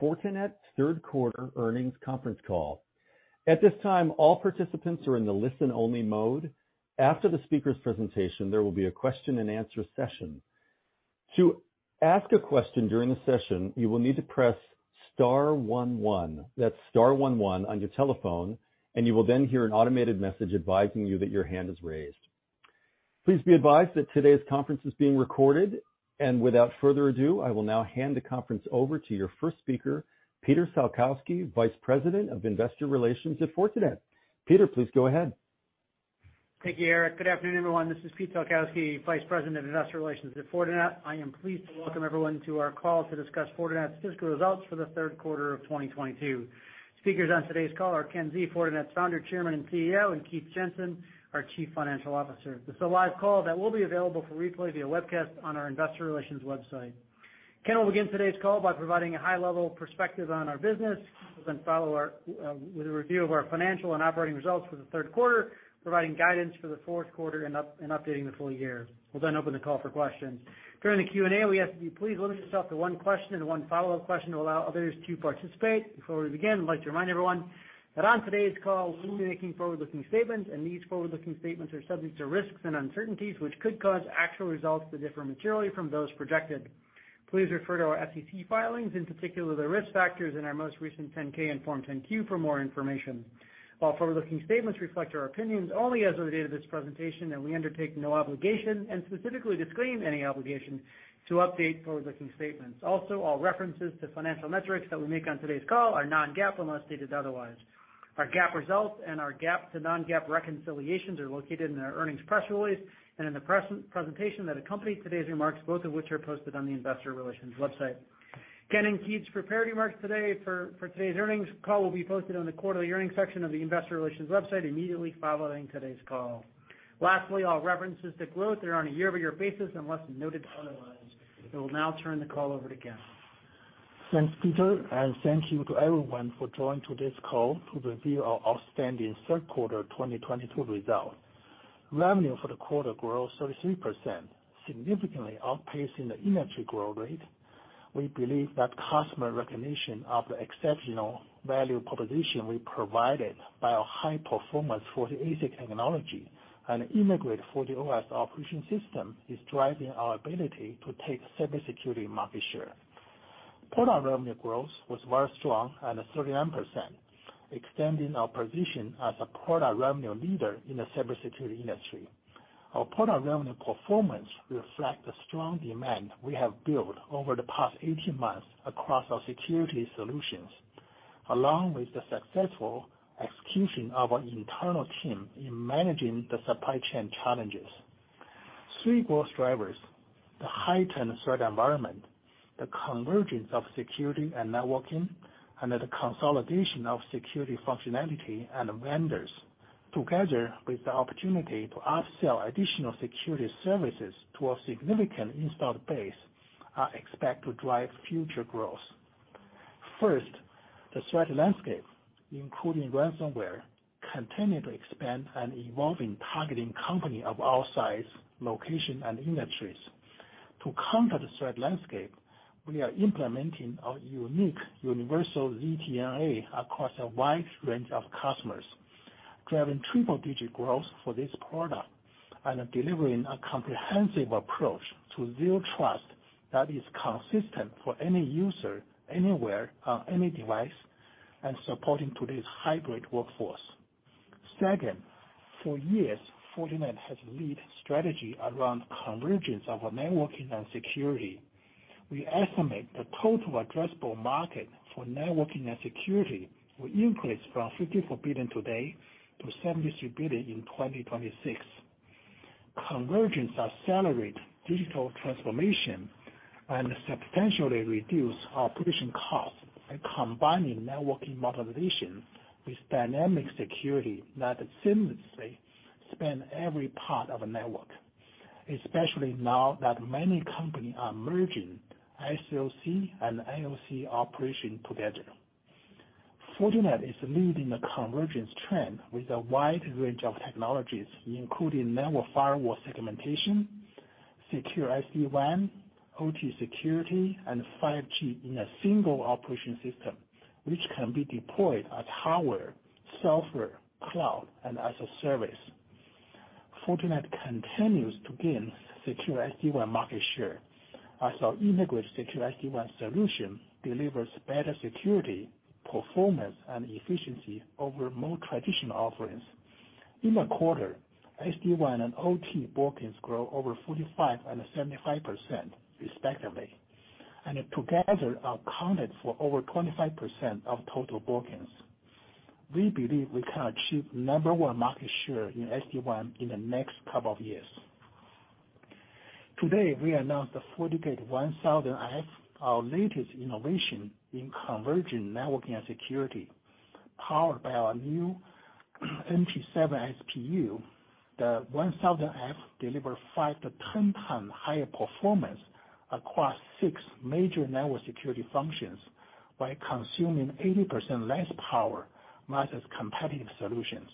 Fortinet's third quarter earnings conference call. At this time, all participants are in the listen-only mode. After the speaker's presentation, there will be a question and answer session. To ask a question during the session, you will need to press star one one. That's star one one on your telephone, and you will then hear an automated message advising you that your hand is raised. Please be advised that today's conference is being recorded. Without further ado, I will now hand the conference over to your first speaker, Peter Salkowski, Vice President of Investor Relations at Fortinet. Peter, please go ahead. Thank you, Eric. Good afternoon, everyone. This is Pete Salkowski, Vice President, Investor Relations at Fortinet. I am pleased to welcome everyone to our call to discuss Fortinet's fiscal results for the third quarter of 2022. Speakers on today's call are Ken Xie, Fortinet's Founder, Chairman, and CEO, and Keith Jensen, our Chief Financial Officer. This is a live call that will be available for replay via webcast on our investor relations website. Ken will begin today's call by providing a high-level perspective on our business. He'll then follow with a review of our financial and operating results for the third quarter, providing guidance for the fourth quarter and updating the full year. We'll then open the call for questions. During the Q&A, we ask that you please limit yourself to one question and one follow-up question to allow others to participate. Before we begin, I'd like to remind everyone that on today's call, we'll be making forward-looking statements, and these forward-looking statements are subject to risks and uncertainties, which could cause actual results to differ materially from those projected. Please refer to our SEC filings, in particular the risk factors in our most recent 10-K and Form 10-Q for more information. All forward-looking statements reflect our opinions only as of the date of this presentation, and we undertake no obligation and specifically disclaim any obligation to update forward-looking statements. Also, all references to financial metrics that we make on today's call are non-GAAP unless stated otherwise. Our GAAP results and our GAAP to non-GAAP reconciliations are located in our earnings press release and in the present presentation that accompanies today's remarks, both of which are posted on the investor relations website. Ken and Keith's prepared remarks today for today's earnings call will be posted on the quarterly earnings section of the investor relations website immediately following today's call. Lastly, all references to growth are on a year-over-year basis, unless noted otherwise. I will now turn the call over to Ken. Thanks, Peter, and thank you to everyone for joining today's call to review our outstanding third quarter 2022 results. Revenue for the quarter grew 33%, significantly outpacing the industry growth rate. We believe that customer recognition of the exceptional value proposition we provided by our high performance FortiASIC technology and integrated FortiOS operating system is driving our ability to take cybersecurity market share. Product revenue growth was very strong at 39%, extending our position as a product revenue leader in the cybersecurity industry. Our product revenue performance reflect the strong demand we have built over the past 18 months across our security solutions, along with the successful execution of our internal team in managing the supply chain challenges. Three growth drivers, the heightened threat environment, the convergence of security and networking, and the consolidation of security functionality and vendors, together with the opportunity to up-sell additional security services to our significant installed base, are expected to drive future growth. First, the threat landscape, including ransomware, continues to expand and evolve, targeting companies of all sizes, locations, and industries. To counter the threat landscape, we are implementing our unique universal ZTNA across a wide range of customers, driving triple-digit growth for this product and delivering a comprehensive approach to zero trust that is consistent for any user, anywhere on any device, and supporting today's hybrid workforce. Second, for years, Fortinet has led strategy around convergence of networking and security. We estimate the total addressable market for networking and security will increase from $54 billion today to $73 billion in 2026. Convergence accelerates digital transformation and substantially reduces our protection costs by combining networking modernization with dynamic security that seamlessly spans every part of a network, especially now that many companies are merging SOC and NOC operations together. Fortinet is leading the convergence trend with a wide range of technologies, including network firewall segmentation, secure SD-WAN, OT security, and 5G in a single operating system, which can be deployed as hardware, software, cloud, and as a service. Fortinet continues to gain secure SD-WAN market share as our integrated secure SD-WAN solution delivers better security, performance, and efficiency over more traditional offerings. In the quarter, SD-WAN and OT bookings grew over 45% and 75% respectively, and together accounted for over 25% of total bookings. We believe we can achieve number one market share in SD-WAN in the next couple of years. Today, we announced the FortiGate 1000F, our latest innovation in convergent networking and security. Powered by our new NP7 SPU, the 1000F delivers five to 10 times higher performance across six major network security functions by consuming 80% less power versus competitive solutions.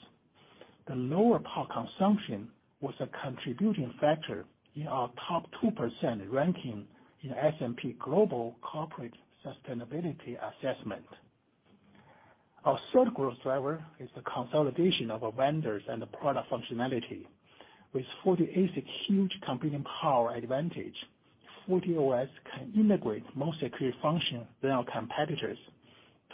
The lower power consumption was a contribution factor in our top 2% ranking in S&P Global Corporate Sustainability Assessment. Our third growth driver is the consolidation of our vendors and the product functionality. With FortiASIC's huge computing power advantage, FortiOS can integrate more security functions than our competitors.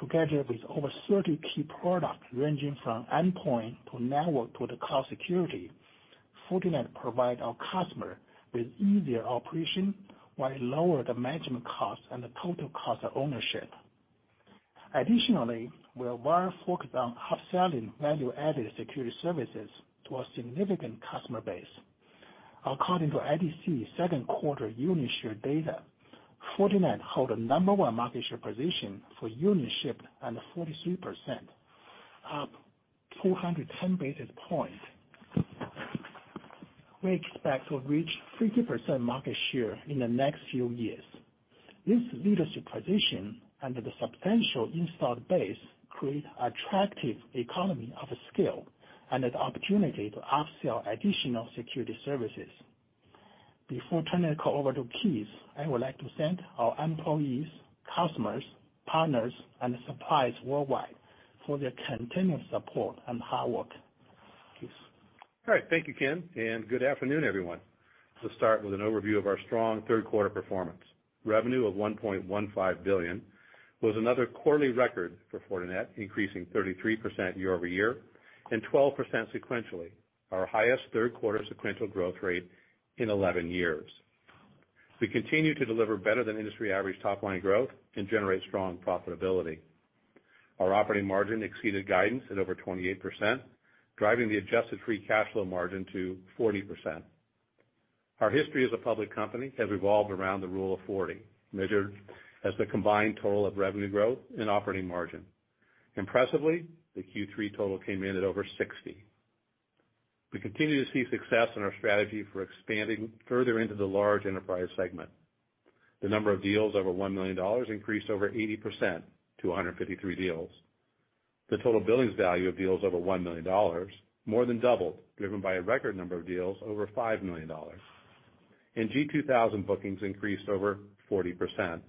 Together with over 30 key products ranging from endpoint to network to the cloud security, Fortinet provides our customer with easier operation while lowering the management cost and the total cost of ownership. Additionally, we are well focused on upselling value-added security services to a significant customer base. According to IDC second quarter unit share data, Fortinet holds a number one market share position for units shipped at 43%, up 210 basis points. We expect to reach 50% market share in the next few years. This leadership position and the substantial installed base creates attractive economies of scale and an opportunity to upsell additional security services. Before turning the call over to Keith, I would like to thank our employees, customers, partners, and suppliers worldwide for their continuous support and hard work. Keith. All right. Thank you, Ken, and good afternoon, everyone. Let's start with an overview of our strong third quarter performance. Revenue of $1.15 billion was another quarterly record for Fortinet, increasing 33% year-over-year and 12% sequentially, our highest third quarter sequential growth rate in 11 years. We continue to deliver better than industry average top line growth and generate strong profitability. Our operating margin exceeded guidance at over 28%, driving the adjusted free cash flow margin to 40%. Our history as a public company has revolved around the rule of forty, measured as the combined total of revenue growth and operating margin. Impressively, the Q3 total came in at over 60. We continue to see success in our strategy for expanding further into the large enterprise segment. The number of deals over $1 million increased over 80% to 153 deals. The total billings value of deals over $1 million more than doubled, driven by a record number of deals over $5 million. In Q2 2020, bookings increased over 40%.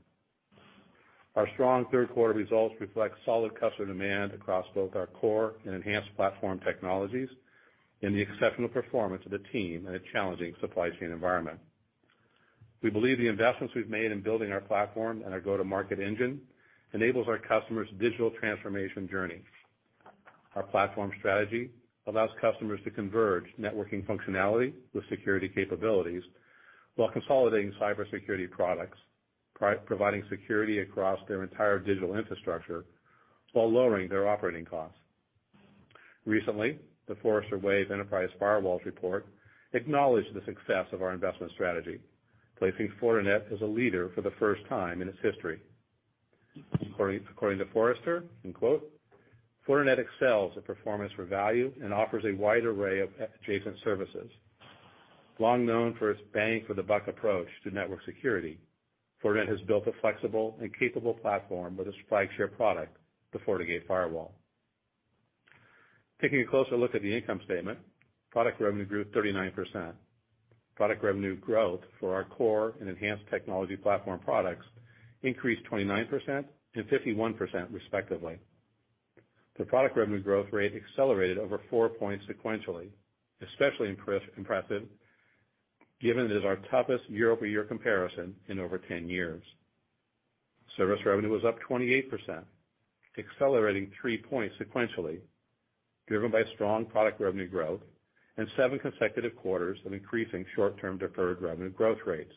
Our strong third quarter results reflect solid customer demand across both our core and enhanced platform technologies and the exceptional performance of the team in a challenging supply chain environment. We believe the investments we've made in building our platform and our go-to-market engine enables our customers' digital transformation journeys. Our platform strategy allows customers to converge networking functionality with security capabilities while consolidating cybersecurity products, providing security across their entire digital infrastructure while lowering their operating costs. Recently, the Forrester Wave Enterprise Firewalls report acknowledged the success of our investment strategy, placing Fortinet as a leader for the first time in its history. According to Forrester, and quote, "Fortinet excels at performance for value and offers a wide array of adjacent services. Long known for its bang for the buck approach to network security, Fortinet has built a flexible and capable platform with its flagship product, the FortiGate Firewall." Taking a closer look at the income statement, product revenue grew 39%. Product revenue growth for our core and enhanced technology platform products increased 29% and 51% respectively. The product revenue growth rate accelerated over four points sequentially, especially impressive, given it is our toughest year-over-year comparison in over 10 years. Service revenue was up 28%, accelerating three points sequentially, driven by strong product revenue growth and seven consecutive quarters of increasing short-term deferred revenue growth rates.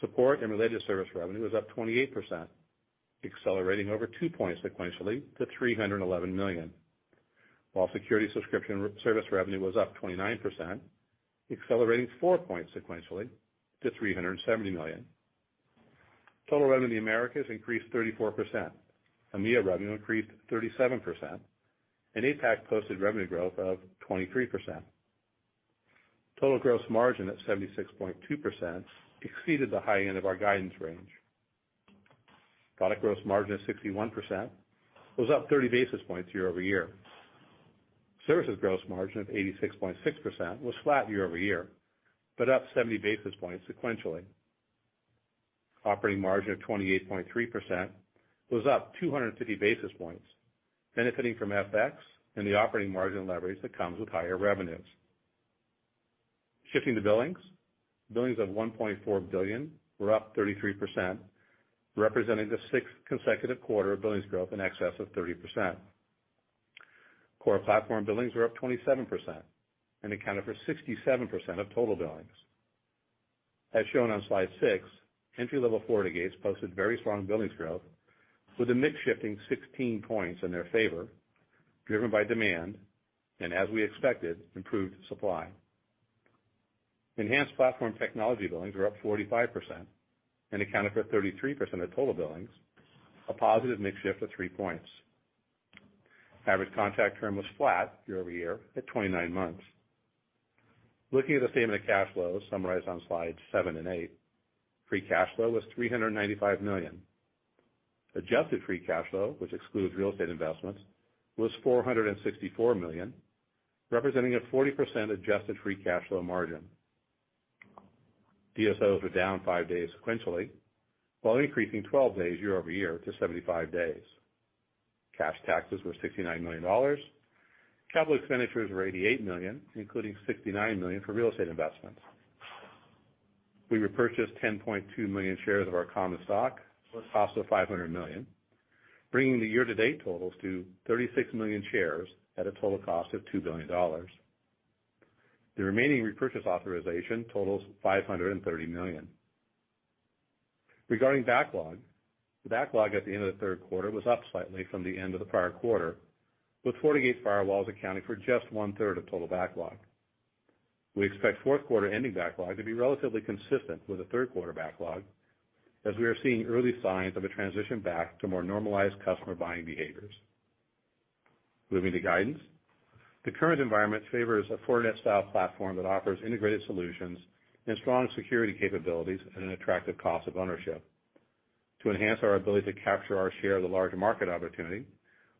Support and related service revenue was up 28%, accelerating over two points sequentially to $311 million, while security subscription service revenue was up 29%, accelerating four points sequentially to $370 million. Total revenue in the Americas increased 34%. EMEA revenue increased 37%, and APAC posted revenue growth of 23%. Total gross margin at 76.2% exceeded the high end of our guidance range. Product gross margin at 61% was up 30 basis points year-over-year. Services gross margin of 86.6% was flat year-over-year, but up 70 basis points sequentially. Operating margin of 28.3% was up 250 basis points, benefiting from FX and the operating margin leverage that comes with higher revenues. Shifting to billings. Billings of $1.4 billion were up 33%, representing the sixth consecutive quarter of billings growth in excess of 30%. Core platform billings were up 27% and accounted for 67% of total billings. As shown on slide six, entry-level FortiGates posted very strong billings growth with the mix shifting 16 points in their favor, driven by demand, and as we expected, improved supply. Enhanced platform technology billings were up 45% and accounted for 33% of total billings, a positive mix shift of three points. Average contract term was flat year-over-year at 29 months. Looking at the statement of cash flows summarized on slides seven and eight. Free cash flow was $395 million. Adjusted free cash flow, which excludes real estate investments, was $464 million, representing a 40% adjusted free cash flow margin. DSO was down five days sequentially, while increasing 12 days year-over-year to 75 days. Cash taxes were $69 million. Capital expenditures were $88 million, including $69 million for real estate investments. We repurchased 10.2 million shares of our common stock, with a cost of $500 million, bringing the year-to-date totals to 36 million shares at a total cost of $2 billion. The remaining repurchase authorization totals $530 million. Regarding backlog, the backlog at the end of the third quarter was up slightly from the end of the prior quarter, with FortiGate firewalls accounting for just one-third of total backlog. We expect fourth quarter ending backlog to be relatively consistent with the third quarter backlog, as we are seeing early signs of a transition back to more normalized customer buying behaviors. Moving to guidance. The current environment favors a Fortinet style platform that offers integrated solutions and strong security capabilities at an attractive cost of ownership. To enhance our ability to capture our share of the larger market opportunity,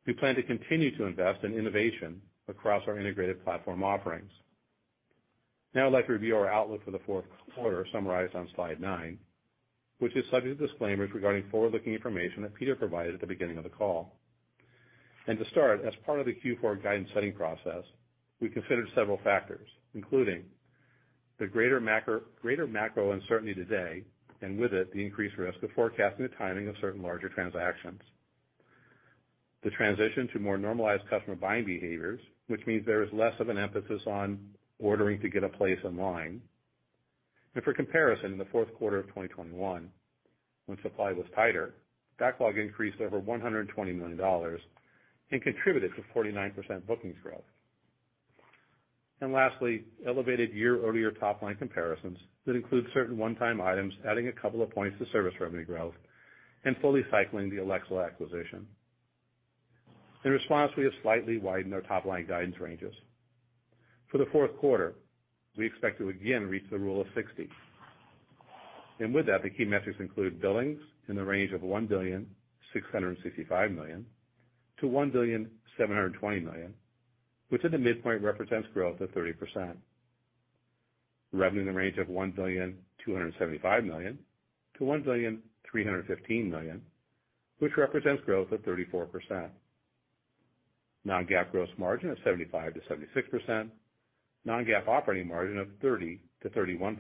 we plan to continue to invest in innovation across our integrated platform offerings. Now I'd like to review our outlook for the fourth quarter, summarized on slide nine, which is subject to disclaimers regarding forward-looking information that Peter provided at the beginning of the call. To start, as part of the Q4 guidance setting process, we considered several factors, including the greater macro uncertainty today, and with it the increased risk of forecasting the timing of certain larger transactions. The transition to more normalized customer buying behaviors, which means there is less of an emphasis on ordering to get a place in line. For comparison, in the fourth quarter of 2021, when supply was tighter, backlog increased over $120 million and contributed to 49% bookings growth. Lastly, elevated year-over-year top line comparisons that include certain one-time items, adding a couple of points to service revenue growth and fully cycling the Alaxala acquisition. In response, we have slightly widened our top line guidance ranges. For the fourth quarter, we expect to again reach the rule of sixty. With that, the key messages include billings in the range of $1.665 billion-$1.72 billion, which at the midpoint represents growth of 30%. Revenue in the range of $1.275 billion-$1.315 billion, which represents growth of 34%. Non-GAAP gross margin of 75%-76%. Non-GAAP operating margin of 30%-31%.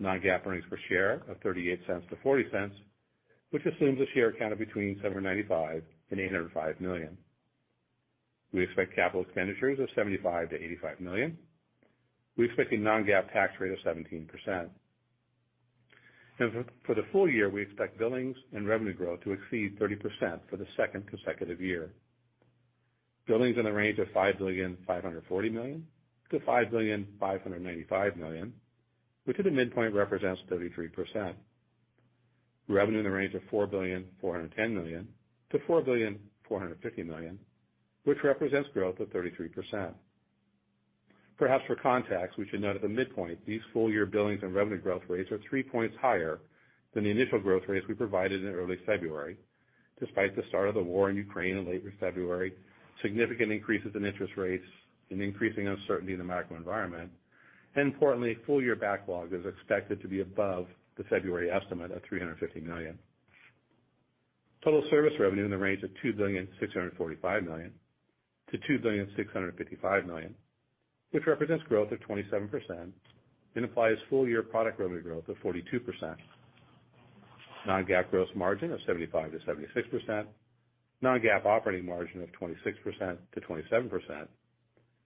Non-GAAP earnings per share of $0.38-$0.40, which assumes a share count of between 795 million and 805 million. We expect capital expenditures of $75 million-$85 million. We expect a non-GAAP tax rate of 17%. For the full year, we expect billings and revenue growth to exceed 30% for the second consecutive year. Billings in the range of $5.54 billion-$5.595 billion, which at the midpoint represents 33%. Revenue in the range of $4.41 billion-$4.45 billion, which represents growth of 33%. Perhaps for context, we should note at the midpoint, these full year billings and revenue growth rates are three points higher than the initial growth rates we provided in early February, despite the start of the war in Ukraine in later February, significant increases in interest rates and increasing uncertainty in the macro environment. Importantly, full year backlog is expected to be above the February estimate of $350 million. Total service revenue in the range of $2.645 billion-$2.655 billion, which represents growth of 27% and implies full year product revenue growth of 42%. Non-GAAP gross margin of 75%-76%. Non-GAAP operating margin of 26%-27%.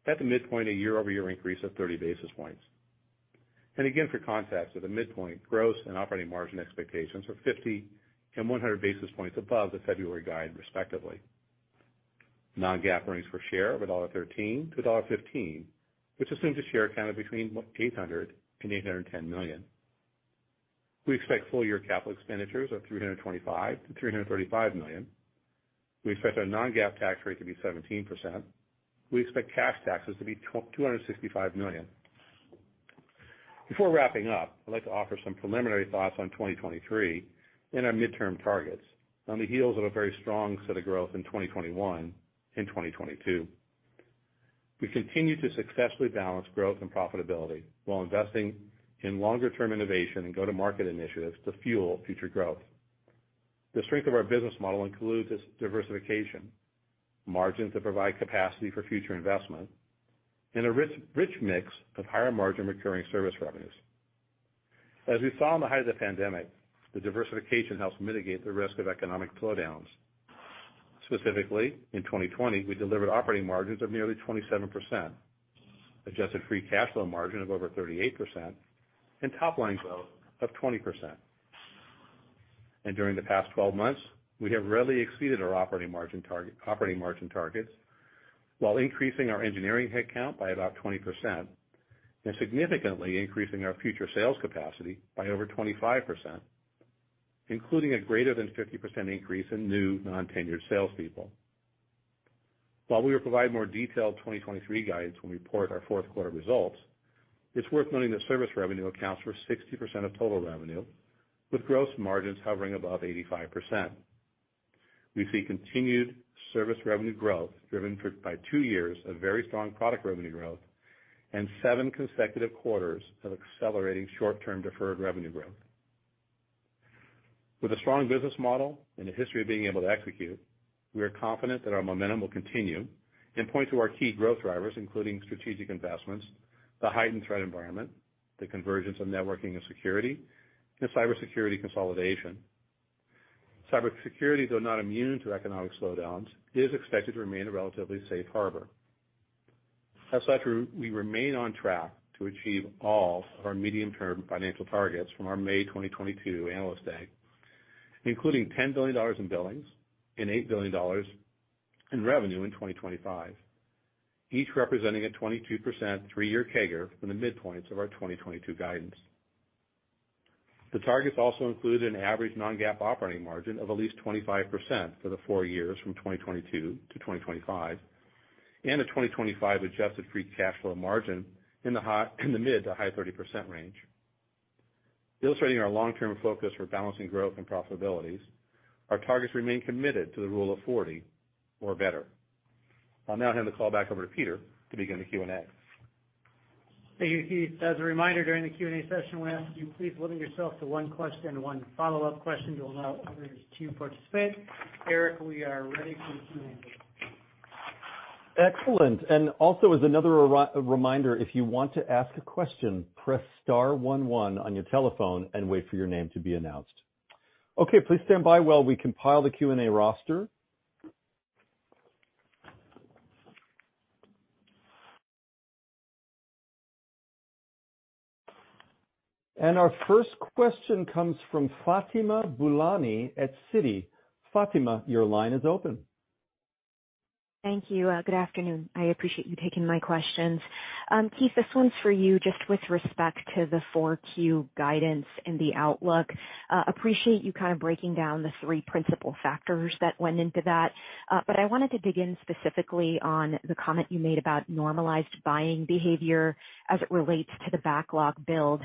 At the midpoint, a year-over-year increase of thirty basis points. Again for context, at the midpoint, gross and operating margin expectations are fifty and one hundred basis points above the February guide, respectively. Non-GAAP earnings per share of $1.13-$1.15, which assumes a share count of between 800 and 810 million. We expect full year capital expenditures of $325 million-$335 million. We expect our non-GAAP tax rate to be 17%. We expect cash taxes to be $265 million. Before wrapping up, I'd like to offer some preliminary thoughts on 2023 and our midterm targets on the heels of a very strong set of growth in 2021 and 2022. We continue to successfully balance growth and profitability while investing in longer term innovation and go-to-market initiatives to fuel future growth. The strength of our business model includes its diversification, margins that provide capacity for future investment, and a rich mix of higher margin recurring service revenues. As we saw in the height of the pandemic, the diversification helps mitigate the risk of economic slowdowns. Specifically, in 2020, we delivered operating margins of nearly 27%, adjusted free cash flow margin of over 38%, and top line growth of 20%. During the past 12 months, we have rarely exceeded our operating margin targets, while increasing our engineering headcount by about 20% and significantly increasing our future sales capacity by over 25%. Including a greater than 50% increase in new non-tenured salespeople. While we will provide more detailed 2023 guidance when we report our fourth quarter results, it's worth noting that service revenue accounts for 60% of total revenue, with gross margins hovering above 85%. We see continued service revenue growth driven by two years of very strong product revenue growth and seven consecutive quarters of accelerating short-term deferred revenue growth. With a strong business model and a history of being able to execute, we are confident that our momentum will continue and point to our key growth drivers, including strategic investments, the heightened threat environment, the convergence of networking and security, and cybersecurity consolidation. Cybersecurity, though not immune to economic slowdowns, is expected to remain a relatively safe harbor. We remain on track to achieve all of our medium-term financial targets from our May 2022 Analyst Day, including $10 billion in billings and $8 billion in revenue in 2025, each representing a 22% three-year CAGR from the midpoints of our 2022 guidance. The targets also include an average non-GAAP operating margin of at least 25% for the four years from 2022-2025, and a 2025 adjusted free cash flow margin in the mid- to high-30% range. Illustrating our long-term focus for balancing growth and profitabilities, our targets remain committed to the rule of 40 or better. I'll now hand the call back over to Peter to begin the Q&A. Thank you, Keith. As a reminder, during the Q&A session, we ask that you please limit yourself to one question and one follow-up question to allow others to participate. Eric, we are ready for the Q&A. Excellent. Also, as another reminder, if you want to ask a question, press star one one on your telephone and wait for your name to be announced. Okay, please stand by while we compile the Q&A roster. Our first question comes from Fatima Boolani at Citi. Fatima, your line is open. Thank you. Good afternoon. I appreciate you taking my questions. Keith, this one's for you just with respect to the Q4 guidance and the outlook. Appreciate you kind of breaking down the three principal factors that went into that. But I wanted to dig in specifically on the comment you made about normalized buying behavior as it relates to the backlog build.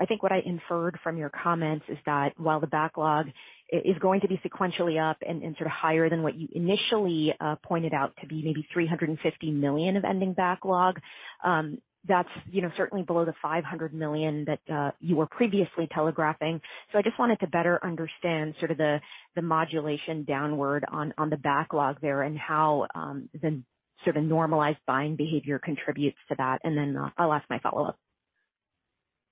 I think what I inferred from your comments is that while the backlog is going to be sequentially up and sort of higher than what you initially pointed out to be maybe $350 million of ending backlog, you know, that's certainly below the $500 million that you were previously telegraphing. I just wanted to better understand sort of the modulation downward on the backlog there and how the sort of normalized buying behavior contributes to that. I'll ask my follow-up.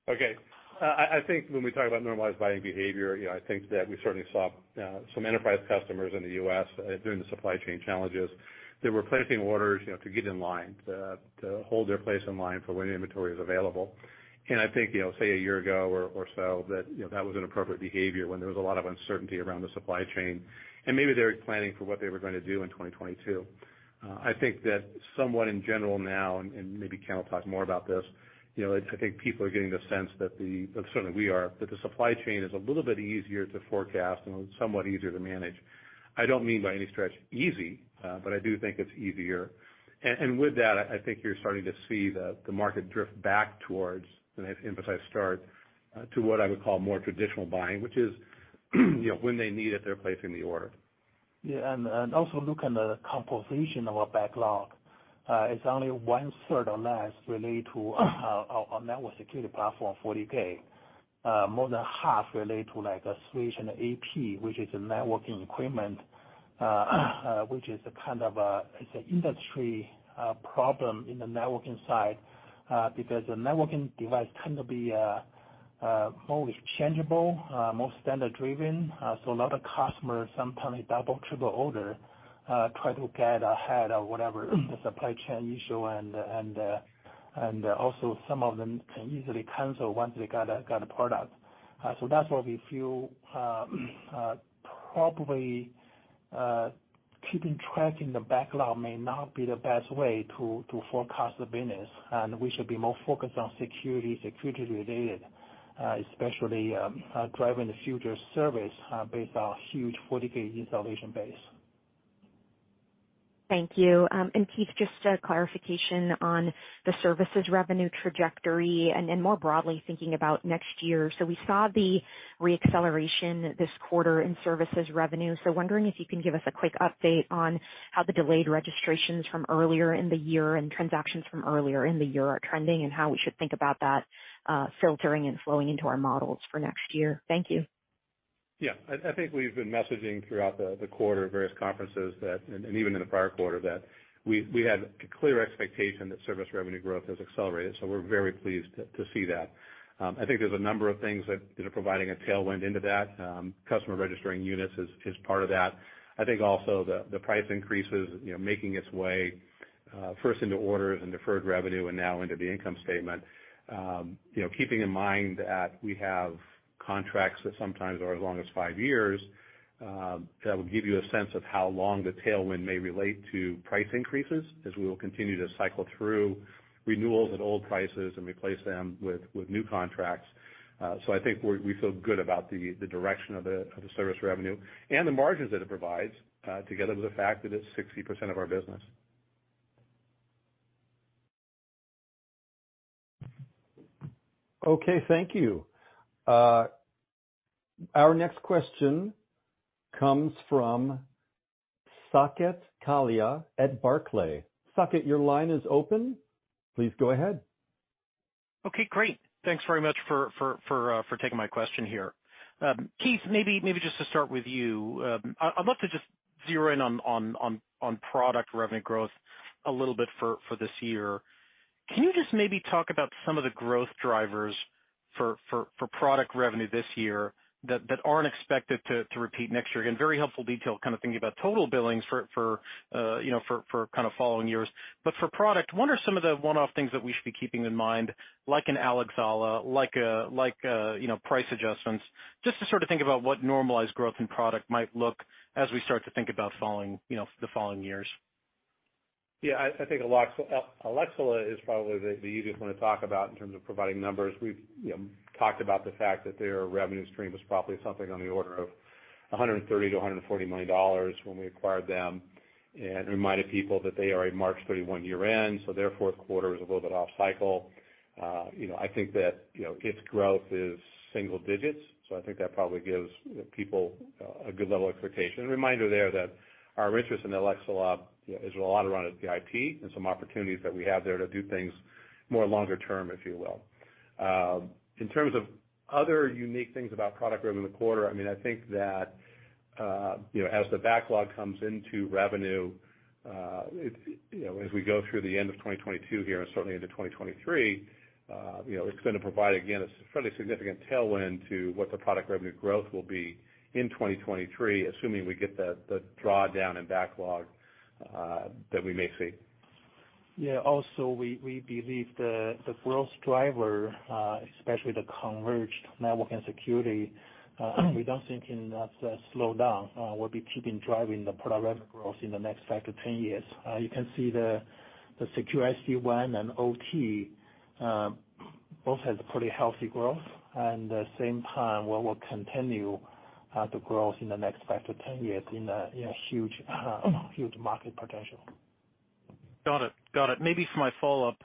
Okay. I think when we talk about normalized buying behavior, you know, I think that we certainly saw some enterprise customers in the U.S. during the supply chain challenges that were placing orders, you know, to get in line, to hold their place in line for when inventory was available. I think, you know, say a year ago or so, that was an appropriate behavior when there was a lot of uncertainty around the supply chain, and maybe they were planning for what they were gonna do in 2022. I think that somewhat in general now, and maybe Ken will talk more about this, you know, it's, I think people are getting the sense that the, certainly we are, that the supply chain is a little bit easier to forecast and somewhat easier to manage. I don't mean by any stretch easy, but I do think it's easier. With that, I think you're starting to see the market drift back towards, and I emphasize start, to what I would call more traditional buying, which is, you know, when they need it, they're placing the order. Yeah. Also look at the composition of our backlog. It's only one-third or less related to our network security platform, FortiGate. More than half relate to like a switch and FortiAP, which is a networking equipment, which is a kind of a, it's a industry problem in the networking side, because the networking device tend to be more changeable, more standard driven. A lot of customers sometimes double, triple order, try to get ahead of whatever the supply chain issue and also some of them can easily cancel once they got a product. That's why we feel probably keeping track in the backlog may not be the best way to forecast the business, and we should be more focused on security related, especially driving the future service based on huge FortiGate installation base. Thank you. Keith, just a clarification on the services revenue trajectory and more broadly thinking about next year. We saw the re-acceleration this quarter in services revenue. Wondering if you can give us a quick update on how the delayed registrations from earlier in the year and transactions from earlier in the year are trending and how we should think about that filtering and flowing into our models for next year. Thank you. Yeah. I think we've been messaging throughout the quarter, various conferences that and even in the prior quarter, that we had a clear expectation that service revenue growth has accelerated, so we're very pleased to see that. I think there's a number of things that are providing a tailwind into that. Customer registering units is part of that. I think also the price increases, you know, making its way, first into orders and deferred revenue and now into the income statement. You know, keeping in mind that we have contracts that sometimes are as long as five years, that will give you a sense of how long the tailwind may relate to price increases as we will continue to cycle through renewals at old prices and replace them with new contracts. I think we feel good about the direction of the service revenue and the margins that it provides, together with the fact that it's 60% of our business. Okay, thank you. Our next question comes from Saket Kalia at Barclays. Saket, your line is open. Please go ahead. Okay, great. Thanks very much for taking my question here. Keith, maybe just to start with you. I'd love to just zero in on product revenue growth a little bit for this year. Can you just maybe talk about some of the growth drivers for product revenue this year that aren't expected to repeat next year? Again, very helpful detail kind of thinking about total billings for, you know, for kind of following years. But for product, what are some of the one-off things that we should be keeping in mind, like an Alaxala, like, you know, price adjustments, just to sort of think about what normalized growth in product might look like as we start to think about following, you know, the following years. Yeah, I think Alaxala is probably the easiest one to talk about in terms of providing numbers. We have talked about the fact that their revenue stream was probably something on the order of $130 million-$140 million when we acquired them, and reminded people that they are a March 31 year-end, so their fourth quarter is a little bit off cycle. You know, I think that its growth is single digits, so I think that probably gives people a good level expectation. Reminder there that our interest in Alaxala is a lot around the IP and some opportunities that we have there to do things more longer term, if you will. In terms of other unique things about product revenue in the quarter, I mean, I think that, you know, as the backlog comes into revenue, it, you know, as we go through the end of 2022 here and certainly into 2023, you know, it's gonna provide, again, a fairly significant tailwind to what the product revenue growth will be in 2023, assuming we get the drawdown and backlog that we may see. Yeah. Also, we believe the growth driver, especially the converged network and security, we don't think in that slowdown will be keeping driving the product revenue growth in the next five to 10 years. You can see the secure SD-WAN and OT both has pretty healthy growth. At the same time, what will continue the growth in the next five to 10 years in a huge market potential. Got it. Maybe for my follow-up,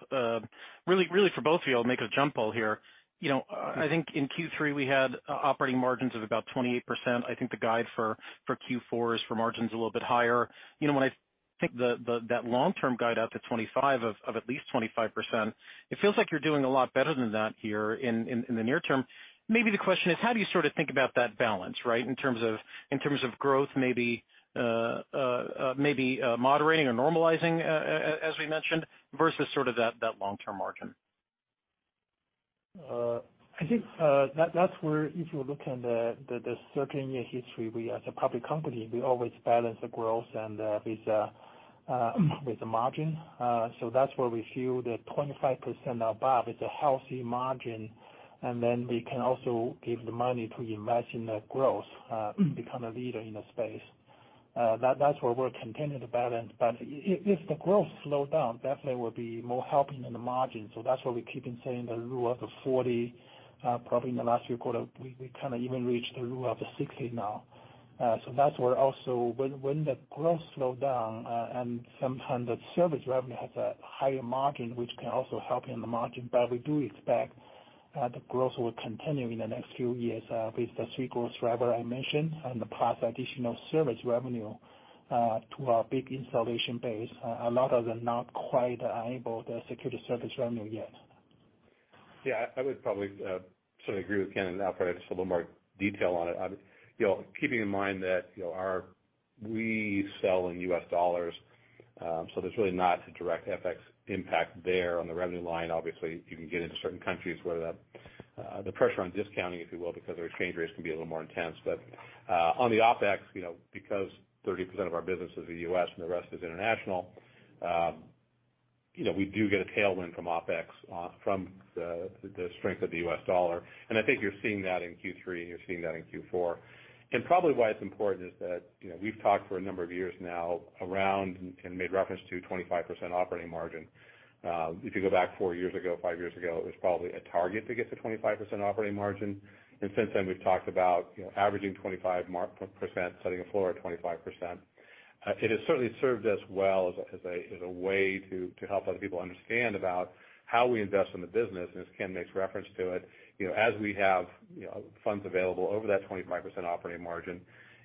really for both of y'all, make a jump ball here. You know, I think in Q3, we had operating margins of about 28%. I think the guide for Q4 is for margins a little bit higher. You know, when I think that long-term guide out to 2025 of at least 25%, it feels like you're doing a lot better than that here in the near term. Maybe the question is, how do you sort of think about that balance, right, in terms of growth, maybe moderating or normalizing, as we mentioned, versus sort of that long-term margin? I think that's where if you look in the 13-year history, we as a public company, we always balance the growth and with the margin. That's where we feel the 25% above is a healthy margin. Then we can also give the money to invest in the growth, become a leader in the space. That's where we're continuing to balance. If the growth slow down, definitely will be more helping in the margin. That's why we keep on saying the rule of 40, probably in the last few quarters, we kinda even reached the rule of 60 now. That's where also when the growth slow down, and sometimes the service revenue has a higher margin, which can also help in the margin. We do expect the growth will continue in the next few years with the three growth driver I mentioned and the plus additional service revenue to our big installation base. A lot of them not quite enabled the security service revenue yet. Yeah, I would probably sort of agree with Ken and offer just a little more detail on it. You know, keeping in mind that, you know, we sell in U.S. dollars, so there's really not a direct FX impact there on the revenue line. Obviously, you can get into certain countries where the pressure on discounting, if you will, because our exchange rates can be a little more intense. But on the OpEx, you know, because 30% of our business is the U.S. and the rest is international, you know, we do get a tailwind from OpEx from the strength of the U.S. dollar. I think you're seeing that in Q3, and you're seeing that in Q4. Probably why it's important is that, you know, we've talked for a number of years now around and made reference to 25% operating margin. If you go back four years ago, five years ago, it was probably a target to get to 25% operating margin. Since then, we've talked about, you know, averaging 25%, setting a floor at 25%. It has certainly served us well as a way to help other people understand about how we invest in the business. As Ken makes reference to it, you know, as we have, you know, funds available over that 25% operating margin,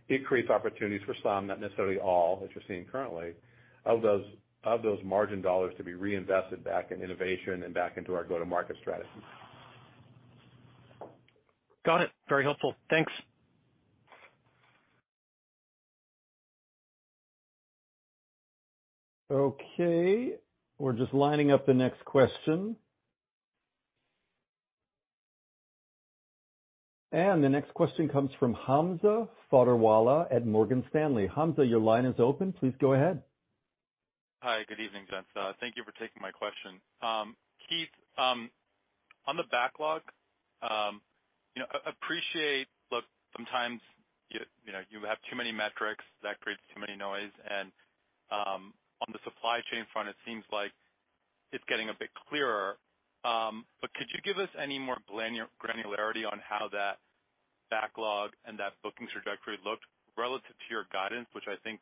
it creates opportunities for some, not necessarily all, as you're seeing currently, of those margin dollars to be reinvested back in innovation and back into our go-to-market strategies. Got it. Very helpful. Thanks. Okay, we're just lining up the next question. The next question comes from Hamza Fodderwala at Morgan Stanley. Hamza, your line is open. Please go ahead. Hi, good evening, gents. Thank you for taking my question. Keith, on the backlog, you know, look, sometimes, you know, you have too many metrics that creates too many noise and, on the supply chain front, it seems like it's getting a bit clearer. Could you give us any more granularity on how that backlog and that booking trajectory looked relative to your guidance, which I think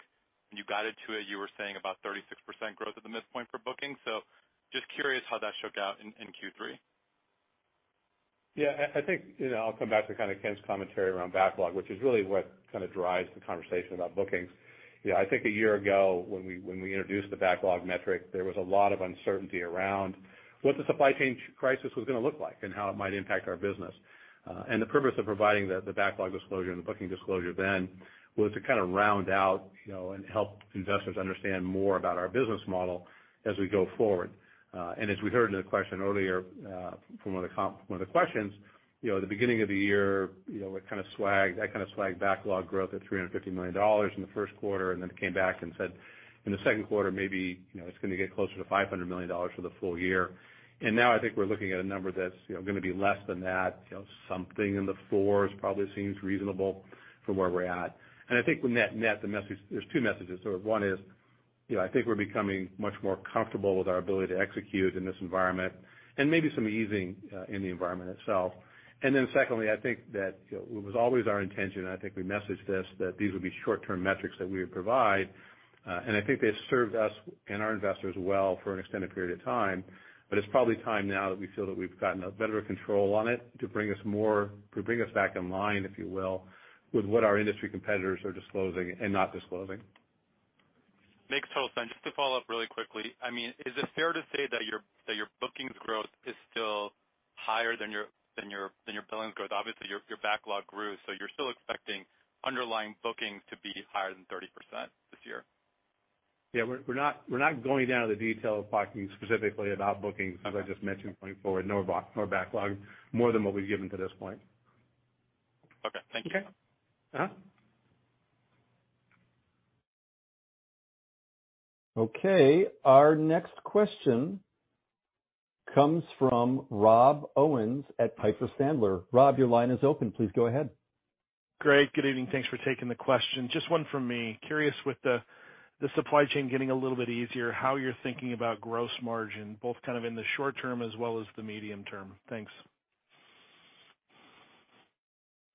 when you got into it, you were saying about 36% growth at the midpoint for bookings. Just curious how that shook out in Q3. Yeah, I think, you know, I'll come back to kind of Ken's commentary around backlog, which is really what kind of drives the conversation about bookings. You know, I think a year ago when we introduced the backlog metric, there was a lot of uncertainty around what the supply chain crisis was gonna look like and how it might impact our business. The purpose of providing the backlog disclosure and the booking disclosure then was to kind of round out, you know, and help investors understand more about our business model as we go forward. As we heard in the question earlier, from one of the questions, you know, at the beginning of the year, you know, we kind of swagged backlog growth at $350 million in the first quarter, and then came back and said, in the second quarter, maybe, you know, it's gonna get closer to $500 million for the full year. Now I think we're looking at a number that's, you know, gonna be less than that. You know, something in the fours probably seems reasonable from where we're at. I think when that net, the message. There's two messages. One is, you know, I think we're becoming much more comfortable with our ability to execute in this environment and maybe some easing in the environment itself. Then secondly, I think that, you know, it was always our intention, and I think we messaged this, that these would be short-term metrics that we would provide. I think they've served us and our investors well for an extended period of time, but it's probably time now that we feel that we've gotten a better control on it to bring us back in line, if you will, with what our industry competitors are disclosing and not disclosing. Makes total sense. Just to follow up really quickly, I mean, is it fair to say that your bookings growth is still higher than your billings growth? Obviously, your backlog grew, so you're still expecting underlying bookings to be higher than 30% this year. Yeah. We're not going down to the detail of talking specifically about bookings, as I just mentioned, going forward, nor backlog more than what we've given to this point. Okay. Thank you. Okay. Okay. Our next question comes from Rob Owens at Piper Sandler. Rob, your line is open. Please go ahead. Gregg, good evening. Thanks for taking the question. Just one from me. Curious with the supply chain getting a little bit easier, how you're thinking about gross margin, both kind of in the short term as well as the medium term. Thanks.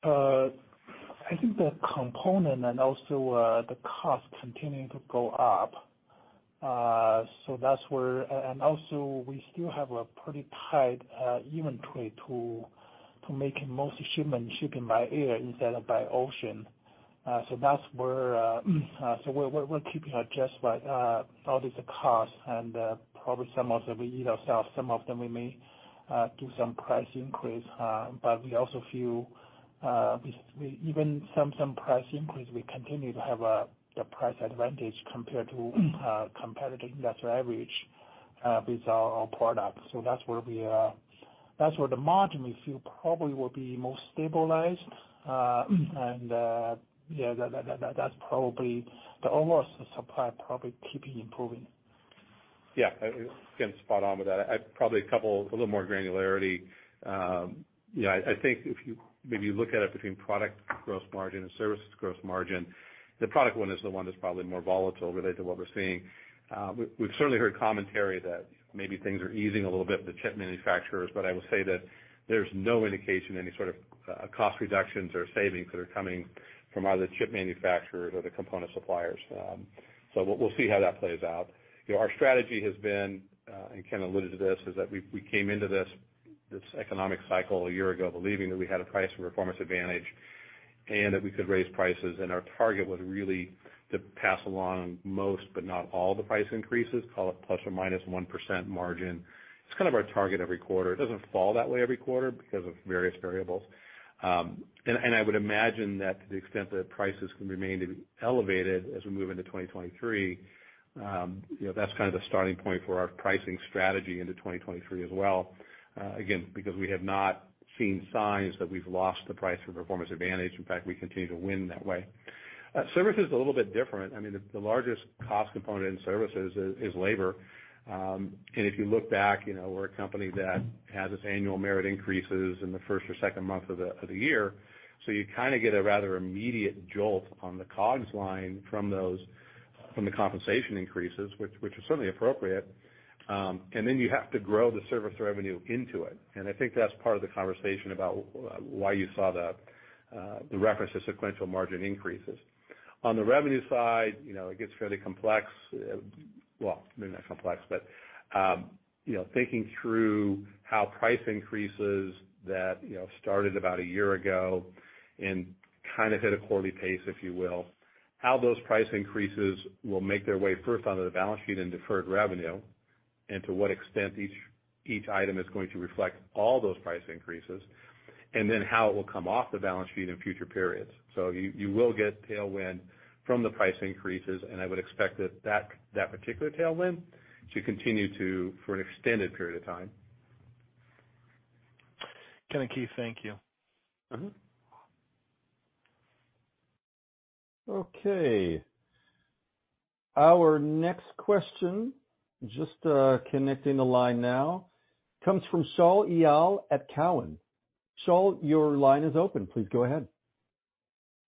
I think the component and also the cost continuing to go up. That's where. We still have a pretty tight inventory to make most shipments shipping by air instead of by ocean. That's where. We're keeping our just all the cost and probably some of them we eat ourselves, some of them we may do some price increase. We also feel even some price increase, we continue to have a price advantage compared to competitive industry average with our products. That's where the margin we feel probably will be most stabilized. Yeah, that's probably the overall supply probably keeping improving. Yeah. Again, spot on with that. I'd probably a little more granularity. You know, I think if you maybe look at it between product gross margin and services gross margin, the product one is the one that's probably more volatile related to what we're seeing. We've certainly heard commentary that maybe things are easing a little bit with the chip manufacturers, but I will say that there's no indication of any sort of cost reductions or savings that are coming from either chip manufacturers or the component suppliers. We'll see how that plays out. You know, our strategy has been, and Ken alluded to this, is that we came into this economic cycle a year ago believing that we had a price and performance advantage and that we could raise prices and our target was really to pass along most, but not all the price increases, call it ±1% margin. It's kind of our target every quarter. It doesn't fall that way every quarter because of various variables. I would imagine that to the extent that prices can remain to be elevated as we move into 2023, you know, that's kind of the starting point for our pricing strategy into 2023 as well, again, because we have not seen signs that we've lost the price for performance advantage. In fact, we continue to win that way. Service is a little bit different. I mean, the largest cost component in services is labor. If you look back, you know, we're a company that has its annual merit increases in the first or second month of the year. You kinda get a rather immediate jolt on the COGS line from those compensation increases, which is certainly appropriate. Then you have to grow the service revenue into it. I think that's part of the conversation about why you saw the reference to sequential margin increases. On the revenue side, you know, it gets fairly complex. Well, maybe not complex, but you know, thinking through how price increases that you know, started about a year ago and kind of hit a quarterly pace, if you will, how those price increases will make their way first onto the balance sheet in deferred revenue, and to what extent each item is going to reflect all those price increases, and then how it will come off the balance sheet in future periods. You will get tailwind from the price increases, and I would expect that particular tailwind to continue for an extended period of time. Ken and Keith, thank you. Mm-hmm. Okay. Our next question, just, connecting the line now, comes from Shaul Eyal at Cowen. Shaul, your line is open. Please go ahead.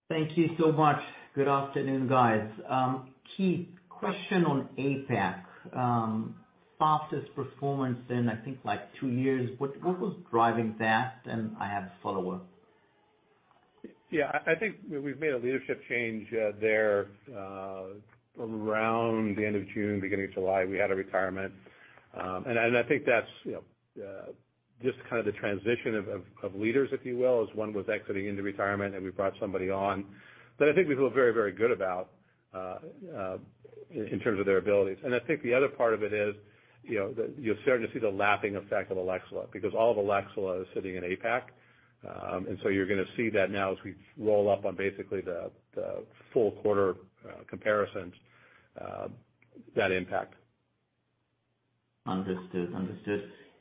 Thank you so much. Good afternoon, guys. Keith, question on APAC. Fastest performance in, I think, like two years. What was driving that? I have a follow-up. Yeah, I think we've made a leadership change there around the end of June, beginning of July. We had a retirement. I think that's you know just kind of the transition of leaders, if you will, as one was exiting into retirement, and we brought somebody on. I think we feel very very good about in terms of their abilities. I think the other part of it is, you know, that you're starting to see the lapping effect of Alaxala, because all of Alaxala is sitting in APAC. You're gonna see that now as we roll up on basically the full quarter comparisons that impact. Understood.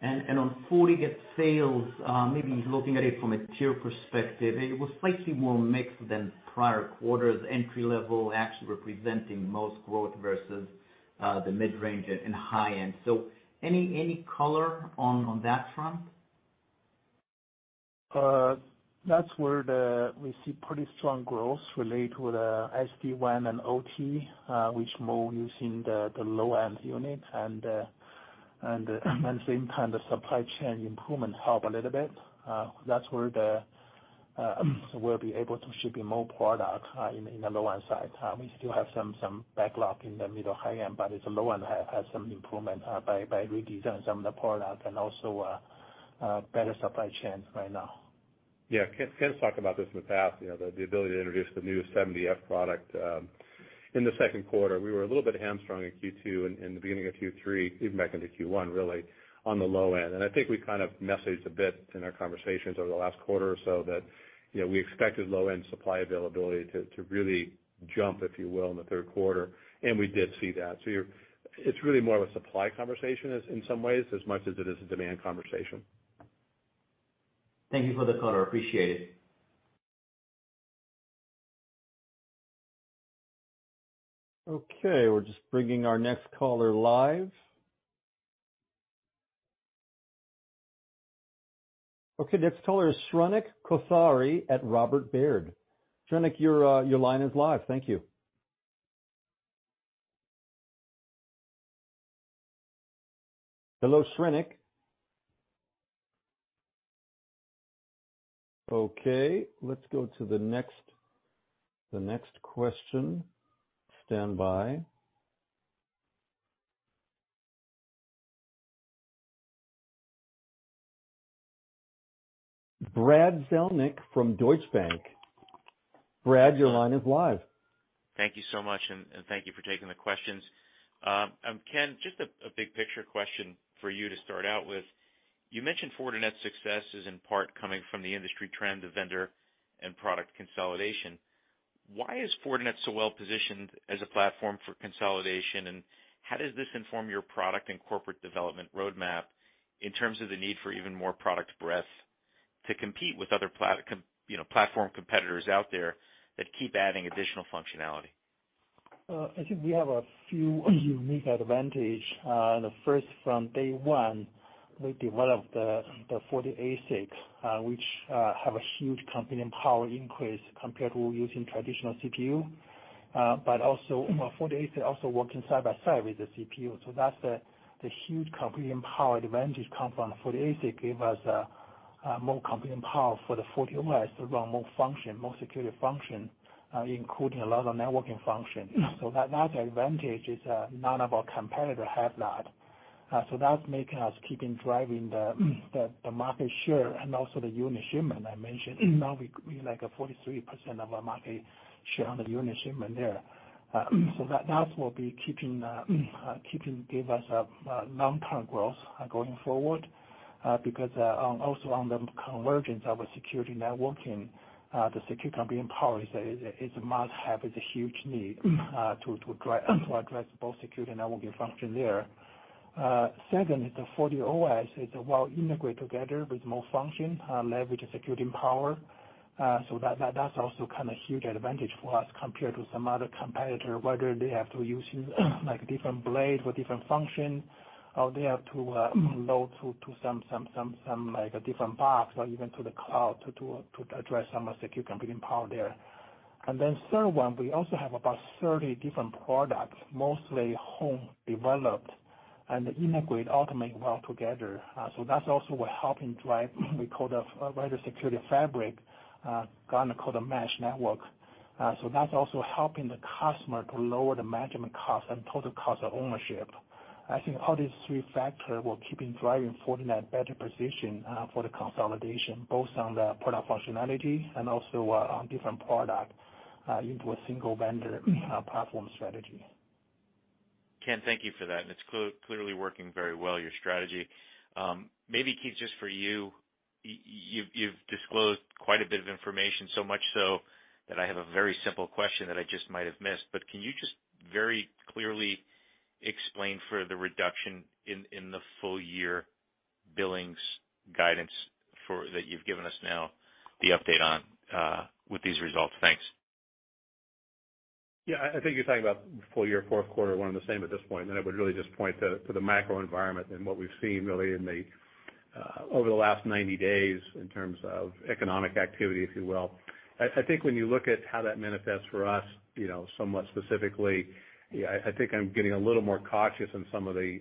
On Fortinet sales, maybe looking at it from a tier perspective, it was slightly more mixed than prior quarters, entry-level actually representing most growth versus the mid-range and high-end. Any color on that front? That's where we see pretty strong growth related with SD-WAN and OT, which more using the low-end units. At the same time, the supply chain improvements help a little bit. That's where we'll be able to ship more product in the low-end side. We still have some backlog in the middle high end, but the low end has some improvement by redesign some of the product and also better supply chains right now. Ken's talked about this in the past, you know, the ability to introduce the new FortiGate 70F product in the second quarter. We were a little bit hamstrung in Q2 and the beginning of Q3, even back into Q1, really, on the low end. I think we kind of messaged a bit in our conversations over the last quarter or so that, you know, we expected low-end supply availability to really jump, if you will, in the third quarter. We did see that. It's really more of a supply conversation, in some ways, as much as it is a demand conversation. Thank you for the color. Appreciate it. Okay, we're just bringing our next caller live. Okay, next caller is Shrenik Kothari at Robert W. Baird. Shrenik, your line is live. Thank you. Hello, Shrenik? Okay, let's go to the next question. Standby. Brad Zelnick from Deutsche Bank. Brad, your line is live. Thank you so much, and thank you for taking the questions. Ken, just a big picture question for you to start out with. You mentioned Fortinet's success is in part coming from the industry trend of vendor and product consolidation. Why is Fortinet so well positioned as a platform for consolidation, and how does this inform your product and corporate development roadmap in terms of the need for even more product breadth to compete with other platform competitors out there that keep adding additional functionality? I think we have a few unique advantage. The first from day one, we developed the FortiASICs, which have a huge computing power increase compared to using traditional CPU. Also, our FortiASIC also working side by side with the CPU. That's the huge computing power advantage come from the FortiASIC give us a more computing power for the FortiOS to run more function, more security function, including a lot of networking function. That advantage is none of our competitor have that. That's making us keeping driving the market share and also the unit shipment I mentioned. Now we like a 43% of our market share on the unit shipment there. That will be keeping give us a long-term growth going forward. Because also on the convergence of security and networking, the secure computing power is a must-have. It's a huge need to address both security and networking function there. Second is the FortiOS is well integrated together with more function, leverage the computing power. That's also kind of huge advantage for us compared to some other competitor, whether they have to use, like, different blade with different function, or they have to offload to some like a different box or even to the cloud to address some of the secure computing power there. Third one, we also have about 30 different products, mostly home developed and integrate, automate well together. So that's also what helping drive, we call the our Security Fabric, gonna call the mesh network. So that's also helping the customer to lower the management cost and total cost of ownership. I think all these 3 factor will keeping driving Fortinet better position for the consolidation, both on the product functionality and also on different product into a single vendor platform strategy. Ken, thank you for that, it's clearly working very well, your strategy. Maybe, Keith, just for you've disclosed quite a bit of information, so much so that I have a very simple question that I just might have missed. Can you just very clearly explain further reduction in the full year? billings guidance for that you've given us now the update on with these results. Thanks. Yeah, I think you're talking about full year, fourth quarter, one and the same at this point, and I would really just point to the macro environment and what we've seen really over the last 90 days in terms of economic activity, if you will. I think when you look at how that manifests for us, you know, somewhat specifically, yeah, I think I'm getting a little more cautious in some of the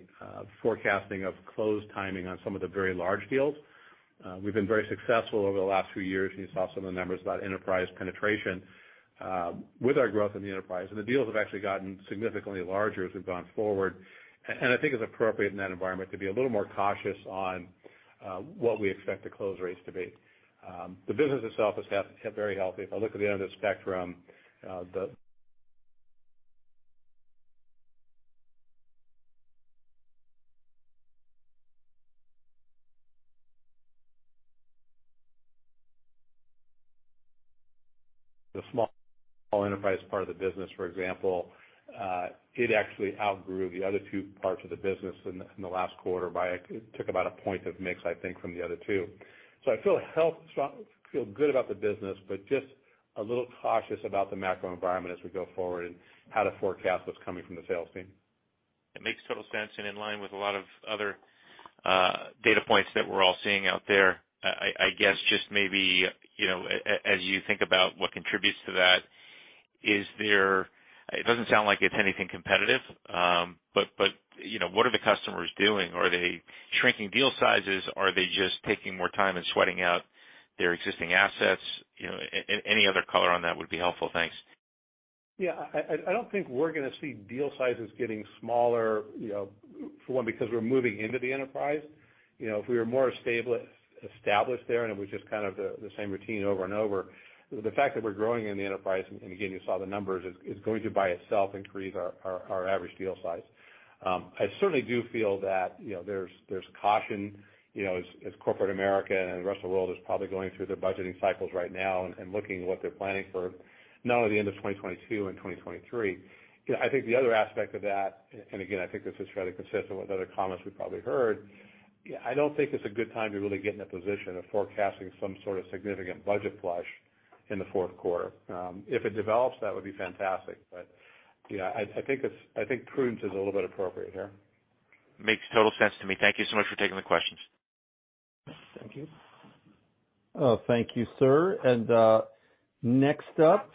forecasting of close timing on some of the very large deals. We've been very successful over the last few years, and you saw some of the numbers about enterprise penetration with our growth in the enterprise. The deals have actually gotten significantly larger as we've gone forward. I think it's appropriate in that environment to be a little more cautious on what we expect the close rates to be. The business itself is very healthy. If I look at the end of the spectrum, the small enterprise part of the business, for example, it actually outgrew the other two parts of the business in the last quarter by it took about a point of mix, I think, from the other two. I feel good about the business, but just a little cautious about the macro environment as we go forward and how to forecast what's coming from the sales team. It makes total sense and in line with a lot of other data points that we're all seeing out there. I guess just maybe, you know, as you think about what contributes to that. It doesn't sound like it's anything competitive, but you know, what are the customers doing? Are they shrinking deal sizes? Are they just taking more time and sweating out their existing assets? You know, any other color on that would be helpful. Thanks. Yeah, I don't think we're gonna see deal sizes getting smaller, you know, for one, because we're moving into the enterprise. You know, if we were more established there, and it was just kind of the same routine over and over, the fact that we're growing in the enterprise, and again, you saw the numbers, is going to by itself increase our average deal size. I certainly do feel that, you know, there's caution, you know, as corporate America and the rest of the world is probably going through their budgeting cycles right now and looking at what they're planning for not only the end of 2022 and 2023. You know, I think the other aspect of that, and again, I think this is fairly consistent with other comments we've probably heard, yeah, I don't think it's a good time to really get in a position of forecasting some sort of significant budget flush in the fourth quarter. If it develops, that would be fantastic. Yeah, I think prudence is a little bit appropriate here. Makes total sense to me. Thank you so much for taking the questions. Thank you. Oh, thank you, sir. Next up,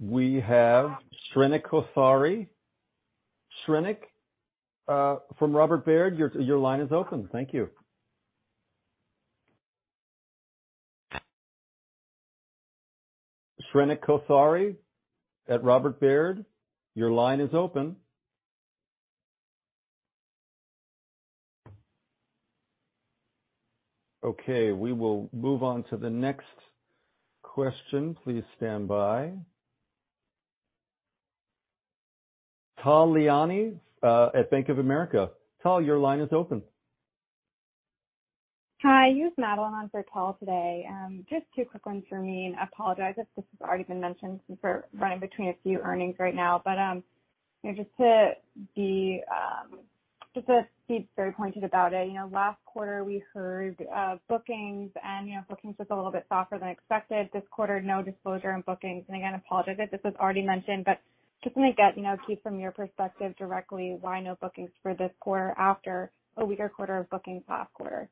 we have Shrenik Kothari. Shrenik, from Robert W. Baird, your line is open. Thank you. Shrenik Kothari at Robert W. Baird, your line is open. Okay, we will move on to the next question. Please stand by. Tal Liani, at Bank of America. Tal, your line is open. Hi, this is Madeline for Tal Liani today. Just two quick ones for me. I apologize if this has already been mentioned since we're covering a few earnings right now. You know, just to be very pointed about it, you know, last quarter we heard bookings was a little bit softer than expected. This quarter, no disclosure on bookings. Again, I apologize if this was already mentioned, but just wanna get, you know, Keith, from your perspective directly, why no bookings for this quarter after a weaker quarter of bookings last quarter?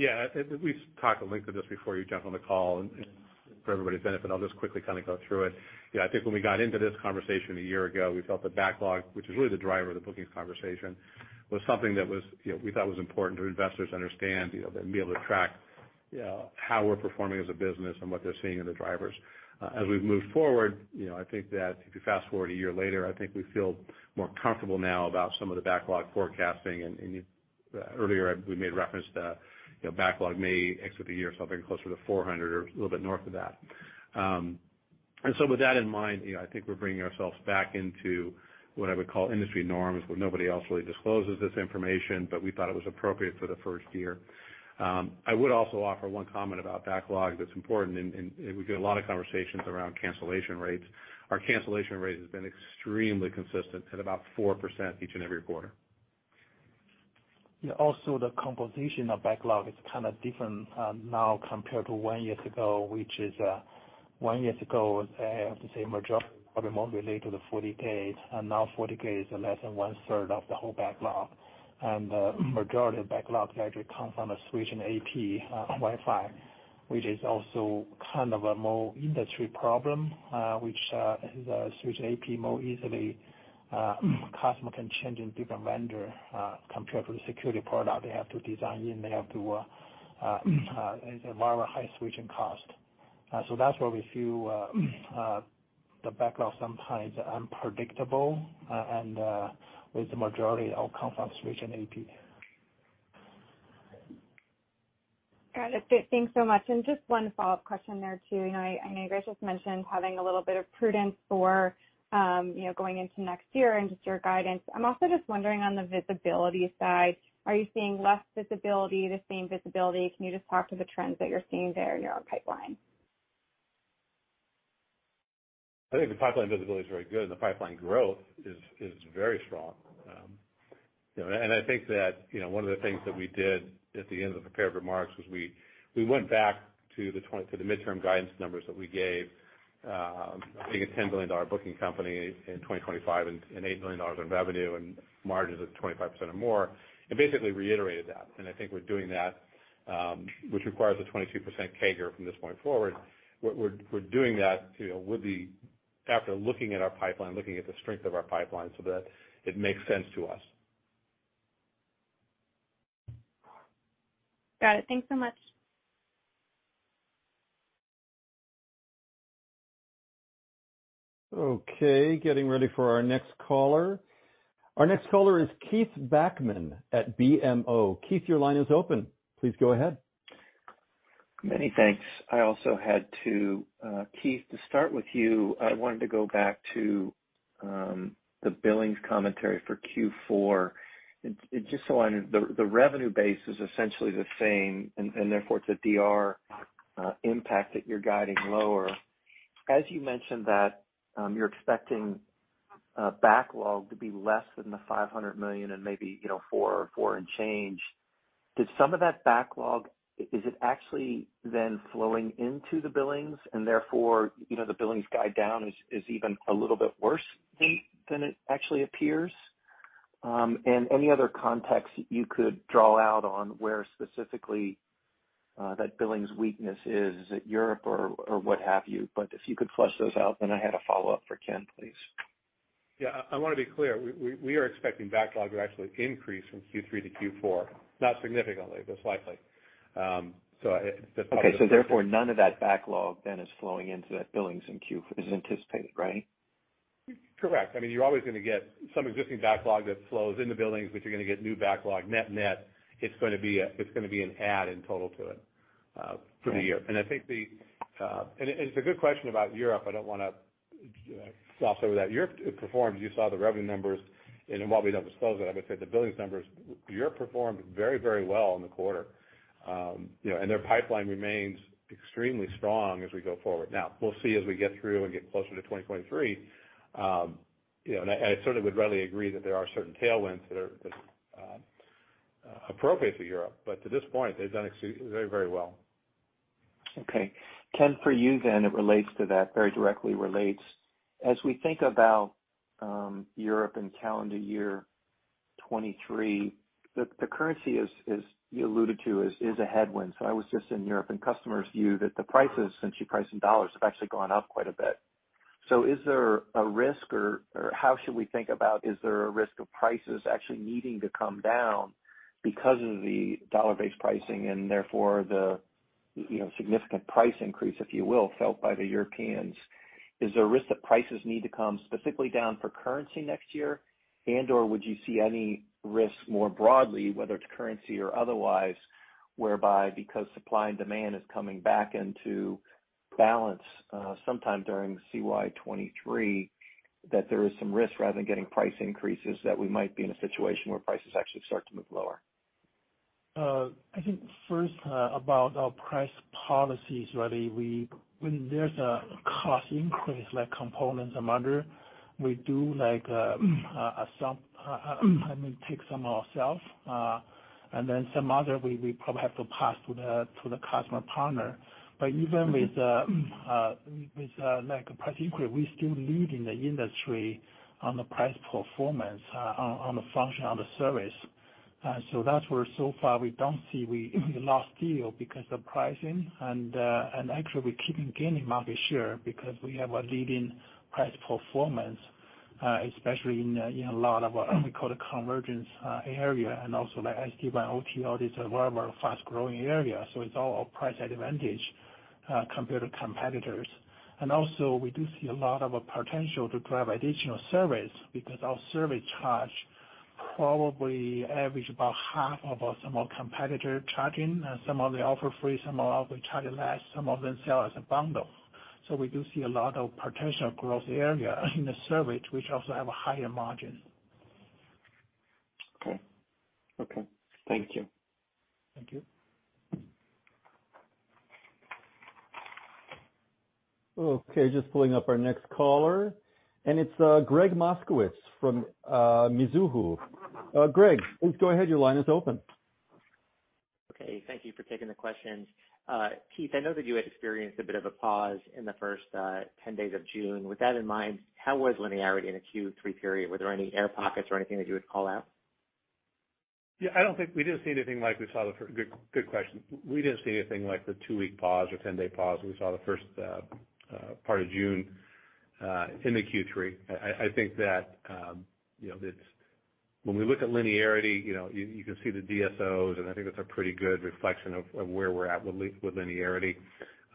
Yeah, we've talked at length of this before you jumped on the call. For everybody's benefit, I'll just quickly kind of go through it. Yeah, I think when we got into this conversation a year ago, we felt the backlog, which is really the driver of the bookings conversation, was something that was, you know, we thought was important for investors to understand, you know, to be able to track how we're performing as a business and what they're seeing in the drivers. As we've moved forward, you know, I think that if you fast-forward a year later, I think we feel more comfortable now about some of the backlog forecasting. Earlier, we made reference to, you know, backlog may exit the year something closer to 400 or a little bit north of that. With that in mind, you know, I think we're bringing ourselves back into what I would call industry norms, where nobody else really discloses this information, but we thought it was appropriate for the first year. I would also offer one comment about backlog that's important, and we get a lot of conversations around cancellation rates. Our cancellation rate has been extremely consistent at about 4% each and every quarter. Yeah, also the composition of backlog is kind of different now compared to one year ago, which is one year ago, I have to say majority probably more related to the FortiGate. Now FortiGate is less than one-third of the whole backlog. The majority of backlog actually comes from a FortiSwitch and FortiAP Wi-Fi, which is also kind of a more industry problem, which the FortiSwitch and FortiAP more easily customer can change in different vendor compared to the security product they have to design in. They have to it's a lot of high switching cost. So that's why we feel the backlog sometimes unpredictable and with the majority all come from FortiSwitch and FortiAP. Got it. Thanks so much. Just one follow-up question there too. You know, I know Greg just mentioned having a little bit of prudence for, you know, going into next year and just your guidance. I'm also just wondering on the visibility side, are you seeing less visibility, the same visibility? Can you just talk to the trends that you're seeing there in your own pipeline? I think the pipeline visibility is very good and the pipeline growth is very strong. You know, and I think that, you know, one of the things that we did at the end of the prepared remarks was we went back to the midterm guidance numbers that we gave, being a $10 billion booking company in 2025 and $8 billion in revenue and margins of 25% or more, and basically reiterated that. I think we're doing that, which requires a 22% CAGR from this point forward. We're doing that, you know, after looking at our pipeline, looking at the strength of our pipeline so that it makes sense to us. Got it. Thanks so much. Okay, getting ready for our next caller. Our next caller is Keith Bachman at BMO. Keith, your line is open. Please go ahead. Many thanks. I also had to, Keith, to start with you, I wanted to go back to the billings commentary for Q4. Just so I understand the revenue base is essentially the same, and therefore, it's a DR impact that you're guiding lower. As you mentioned that you're expecting backlog to be less than $500 million and maybe, you know, 400 or 400 and change, is some of that backlog actually then flowing into the billings and therefore, you know, the billings guide down is even a little bit worse, Keith, than it actually appears? Any other context you could draw out on where specifically that billings weakness is. Is it Europe or what have you? If you could flesh those out, then I had a follow-up for Ken, please. Yeah. I wanna be clear. We are expecting backlog to actually increase from Q3 to Q4. Not significantly, but slightly. Okay. Therefore, none of that backlog then is flowing into that billings is anticipated, right? Correct. I mean, you're always gonna get some existing backlog that flows in the billings, but you're gonna get new backlog. Net-net, it's gonna be an add in total to it for the year. I think it's a good question about Europe. I don't wanna gloss over that. Europe performed, you saw the revenue numbers. While we don't disclose it, I would say the billings numbers, Europe performed very, very well in the quarter. Their pipeline remains extremely strong as we go forward. Now, we'll see as we get through and get closer to 2023. I sort of would readily agree that there are certain tailwinds that are appropriate for Europe. But to this point, they've done very, very well. Okay. Ken, for you then, it relates to that, very directly relates. As we think about Europe in calendar year 2023, the currency, as you alluded to, is a headwind. I was just in Europe, and customers view that the prices, since you price in dollars, have actually gone up quite a bit. Is there a risk or how should we think about, is there a risk of prices actually needing to come down because of the dollar-based pricing and therefore the, you know, significant price increase, if you will, felt by the Europeans? Is there a risk that prices need to come specifically down for currency next year? Would you see any risk more broadly, whether it's currency or otherwise, whereby because supply and demand is coming back into balance, sometime during CY 2023, that there is some risk rather than getting price increases, that we might be in a situation where prices actually start to move lower? I think first, about our price policies, really, we when there's a cost increase like components among other, we do like, some, I mean, take some ourselves, and then some other we probably have to pass to the customer partner. Even with like a price inquiry, we still lead in the industry on the price performance, on the function, on the service. That's where so far we don't see we lost deal because the pricing, and actually we keeping gaining market share because we have a leading price performance, especially in a lot of what we call the convergence area and also like SD-WAN, OT, these are one of our fast-growing areas. It's all our price advantage compared to competitors. also we do see a lot of a potential to drive additional service because our service charge probably average about half of what some of competitors charging. some of them offer free, some of them we charge less, some of them sell as a bundle. we do see a lot of potential growth area in the service, which also have a higher margin. Okay. Thank you. Thank you. Okay, just pulling up our next caller. It's Gregg Moskowitz from Mizuho. Greg, please go ahead. Your line is open. Okay. Thank you for taking the questions. Keith, I know that you had experienced a bit of a pause in the first 10 days of June. With that in mind, how was linearity in the Q3 period? Were there any air pockets or anything that you would call out? Yeah, I don't think we didn't see anything like we saw. Good question. We didn't see anything like the two-week pause or 10-day pause we saw the first part of June into Q3. I think that, you know, when we look at linearity, you know, you can see the DSOs, and I think that's a pretty good reflection of where we're at with linearity.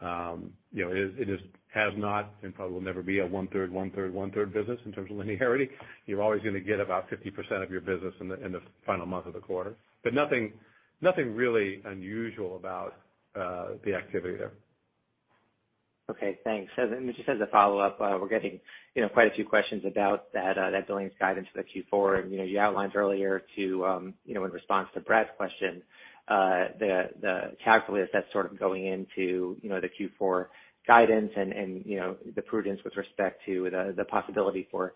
You know, it has not and probably will never be a one-third, one-third, one-third business in terms of linearity. You're always gonna get about 50% of your business in the final month of the quarter. Nothing really unusual about the activity there. Okay, thanks. Just as a follow-up, you know, quite a few questions about that billings guidance for the Q4. You know, you outlined earlier to, you know, in response to Brad's question, the calculus that's sort of going into, you know, the Q4 guidance and, you know, the prudence with respect to the possibility for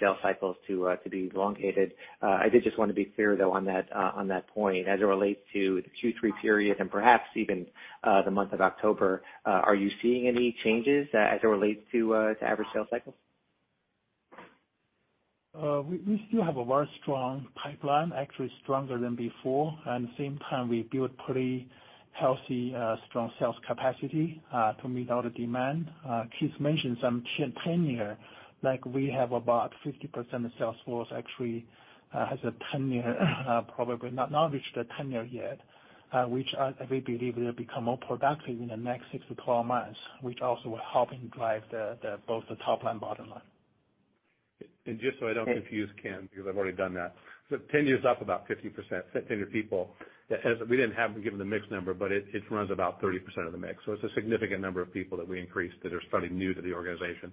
sales cycles to be elongated. I did just wanna be clear though, on that point. As it relates to the Q3 period and perhaps even the month of October, are you seeing any changes as it relates to average sales cycles? We still have a very strong pipeline, actually stronger than before. At the same time, we built a pretty healthy strong sales capacity to meet all the demand. Keith mentioned some tenure. Like, we have about 50% of sales force actually has not reached their tenure yet, which we believe will become more productive in the next six to 12 months, which also will help drive both the top line, bottom line. Just so I don't confuse Ken, because I've already done that, so tenure's up about 50%, tenure people. We didn't have, give him the mix number, but it runs about 30% of the mix. It's a significant number of people that we increased that are starting new to the organization.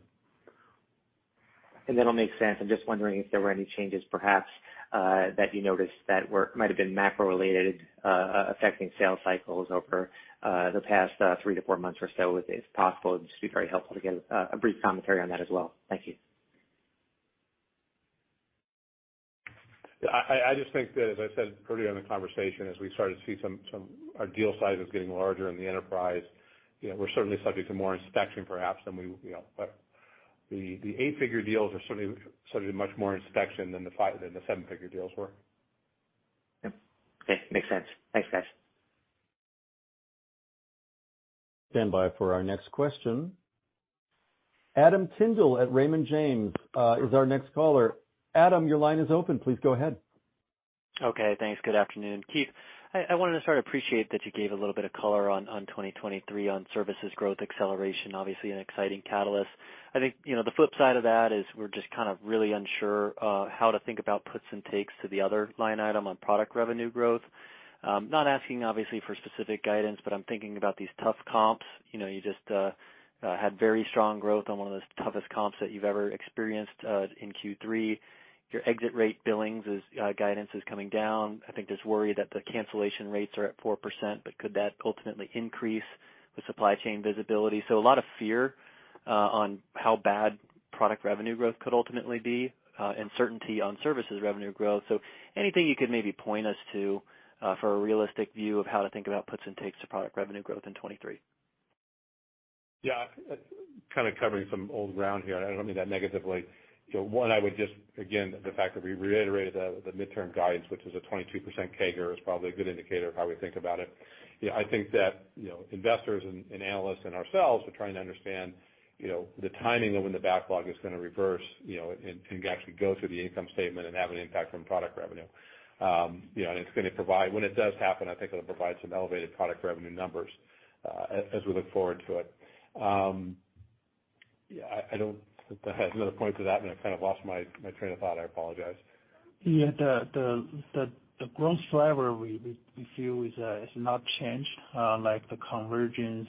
That all makes sense. I'm just wondering if there were any changes perhaps that you noticed that might've been macro-related affecting sales cycles over the past three to four months or so. If possible, it'd just be very helpful to get a brief commentary on that as well. Thank you. Yeah. I just think that, as I said earlier in the conversation, as we started to see some our deal sizes getting larger in the enterprise, you know, we're certainly subject to more inspection perhaps than we, you know. But the eight-figure deals are certainly subject to much more inspection than the seven-figure deals were. Yep. Okay. Makes sense. Thanks, guys. Standby for our next question. Adam Tindle at Raymond James is our next caller. Adam, your line is open. Please go ahead. Okay, thanks. Good afternoon. Keith, I wanted to start, appreciate that you gave a little bit of color on 2023 on services growth acceleration, obviously an exciting catalyst. I think, you know, the flip side of that is we're just kind of really unsure how to think about puts and takes to the other line item on product revenue growth. Not asking obviously for specific guidance, but I'm thinking about these tough comps. You know, you just had very strong growth on one of the toughest comps that you've ever experienced in Q3. Your exit rate billings guidance is coming down. I think there's worry that the cancellation rates are at 4%, but could that ultimately increase with supply chain visibility? A lot of fear on how bad product revenue growth could ultimately be, and certainty on services revenue growth. Anything you could maybe point us to for a realistic view of how to think about puts and takes to product revenue growth in 2023. Yeah. Kind of covering some old ground here. I don't mean that negatively. You know, one, I would just, again, the fact that we reiterated the midterm guidance, which is a 22% CAGR, is probably a good indicator of how we think about it. You know, I think that, you know, investors and analysts and ourselves are trying to understand, you know, the timing of when the backlog is gonna reverse, you know, and actually go through the income statement and have an impact on product revenue. You know, and it's gonna provide. When it does happen, I think it'll provide some elevated product revenue numbers, as we look forward to it. Yeah, I don't. I had another point to that, and I kind of lost my train of thought. I apologize. Yeah. The growth driver we feel is not changed. Like the convergence,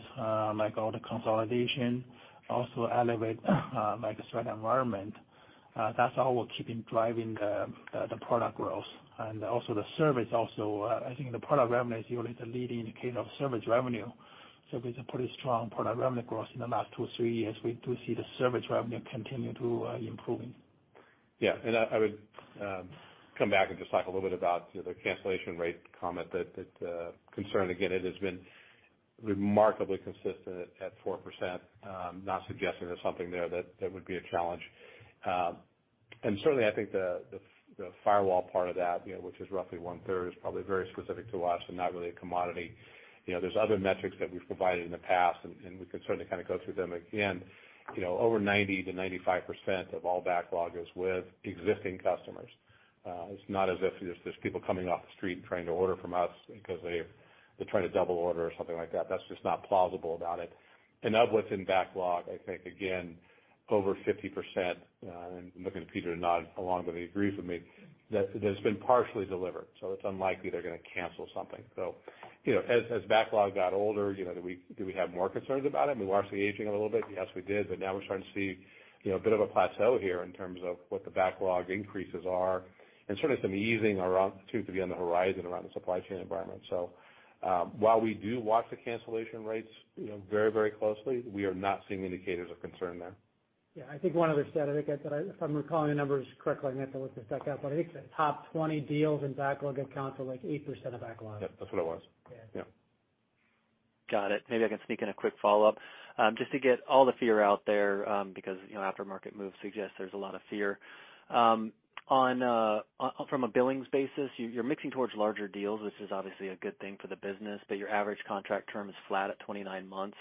like all the consolidation also elevate like a certain environment. That's how we're keeping driving the product growth and also the service also. I think the product revenue is usually the leading indicator of service revenue. It's a pretty strong product revenue growth in the last two to three years. We do see the service revenue continue to improving. Yeah. I would come back and just talk a little bit about the cancellation rate comment that concern. Again, it has been remarkably consistent at 4%. Not suggesting there's something there that would be a challenge. Certainly I think the firewall part of that, you know, which is roughly one-third, is probably very specific to us and not really a commodity. You know, there's other metrics that we've provided in the past, and we can certainly kinda go through them again. You know, over 90%-95% of all backlog is with existing customers. It's not as if there's people coming off the street and trying to order from us because they're trying to double order or something like that. That's just not plausible about it. Of what's in backlog, I think, again, over 50%, and I'm looking at Peter to nod along that he agrees with me, that that has been partially delivered, so it's unlikely they're gonna cancel something. You know, as backlog got older, you know, do we have more concerns about it? We were actually aging a little bit. Yes, we did. Now we're starting to see, you know, a bit of a plateau here in terms of what the backlog increases are and sort of some easing around too, could be on the horizon around the supply chain environment. While we do watch the cancellation rates, you know, very, very closely, we are not seeing indicators of concern there. Yeah. I think one other statistic that I, if I'm recalling the numbers correctly, I'm gonna have to look this back up, but I think the top 20 deals in backlog account for, like, 8% of backlog. Yep, that's what it was. Yeah. Yeah. Got it. Maybe I can sneak in a quick follow-up, just to get all the fear out there, because, you know, after market moves suggest there's a lot of fear. On, from a billings basis, you're mixing towards larger deals, which is obviously a good thing for the business, but your average contract term is flat at 29 months.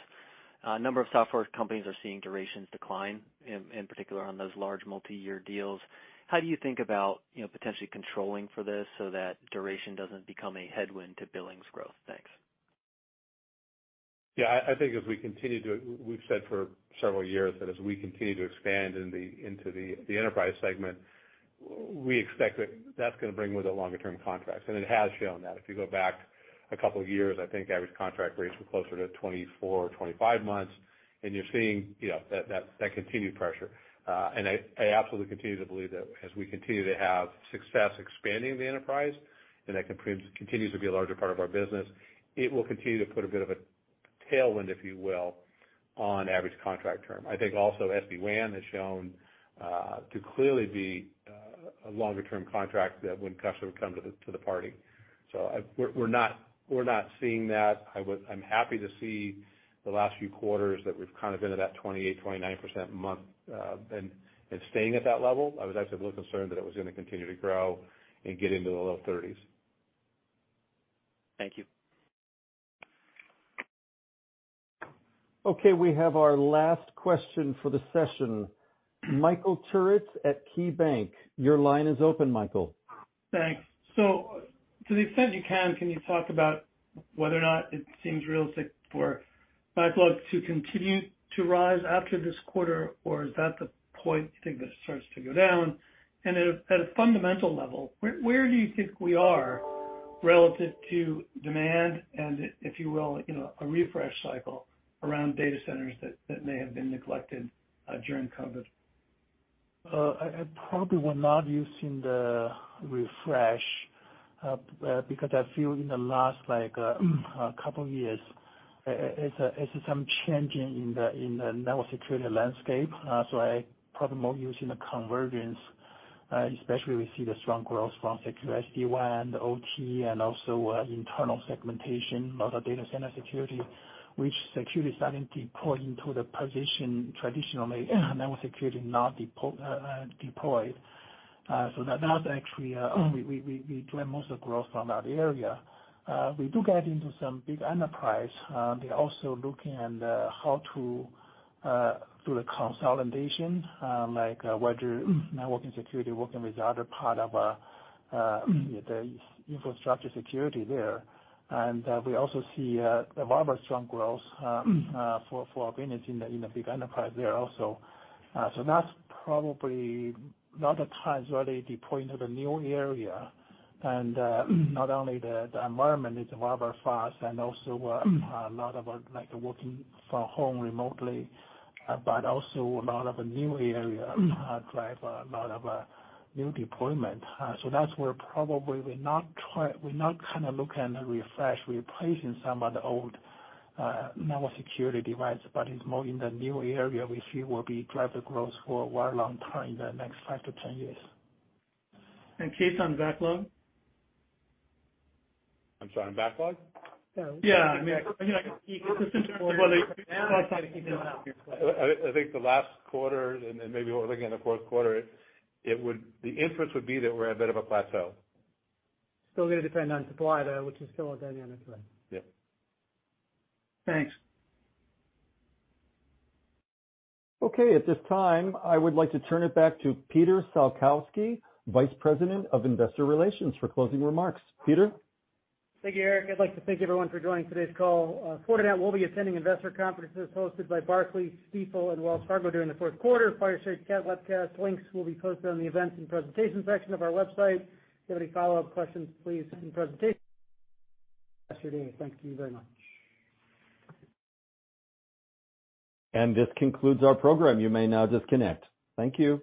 A number of software companies are seeing durations decline, in particular on those large multi-year deals. How do you think about, you know, potentially controlling for this so that duration doesn't become a headwind to billings growth? Thanks. Yeah. I think we've said for several years that as we continue to expand into the enterprise segment, we expect that that's gonna bring with it longer term contracts. It has shown that. If you go back A couple of years, I think average contract rates were closer to 24 or 25 months, and you're seeing that continued pressure. I absolutely continue to believe that as we continue to have success expanding the enterprise, and that continues to be a larger part of our business, it will continue to put a bit of a tailwind, if you will, on average contract term. I think also SD-WAN has shown to clearly be a longer-term contract that when customers come to the party. We're not seeing that. I'm happy to see the last few quarters that we've kind of been at that 28%-29% month, and staying at that level. I was actually a little concerned that it was gonna continue to grow and get into the low thirties. Thank you. Okay, we have our last question for the session. Michael Turits at KeyBanc. Your line is open, Michael. Thanks. To the extent you can you talk about whether or not it seems realistic for backlog to continue to rise after this quarter? Is that the point you think that starts to go down? At a fundamental level, where do you think we are relative to demand and if you will, you know, a refresh cycle around data centers that may have been neglected during COVID? I probably will not using the refresh, because I feel in the last, like, a couple of years, it's some change in the network security landscape. I probably more using the convergence, especially we see the strong growth from secure SD-WAN, OT, and also, internal segmentation of the data center security, which security suddenly deploy into the position traditionally network security not deployed. That's actually, we drive most of growth from that area. We do get into some big enterprise. They're also looking at, how to, do the consolidation, like, whether networking security working with the other part of, the infrastructure security there. We also see a very strong growth for business in the big enterprise there also. That's probably not the time to really deploy into the new area. Not only the environment is rather fast and also a lot of, like, working from home remotely, but also a lot of new area drive a lot of new deployment. That's where probably we're not kinda looking to refresh, replacing some of the old network security devices, but it's more in the new area we see will be driver growth for a very long time in the next five to 10 years. Keith, on backlog? I'm sorry, on backlog? Yeah. I mean, you know, consistent with whether I think the last quarter and maybe we'll look in the fourth quarter. The inference would be that we're at a bit of a plateau. Still gonna depend on supply, though, which is still a dynamic, right? Yeah. Thanks. Okay. At this time, I would like to turn it back to Peter Salkowski, Vice President of Investor Relations for closing remarks. Peter? Thank you, Eric. I'd like to thank everyone for joining today's call. Fortinet will be attending investor conferences hosted by Barclays, Stifel, and Wells Fargo during the fourth quarter. Prior conference webcast links will be posted on the events and presentations section of our website. If you have any follow-up questions, please see the presentation from yesterday. Thank you very much. This concludes our program. You may now disconnect. Thank you.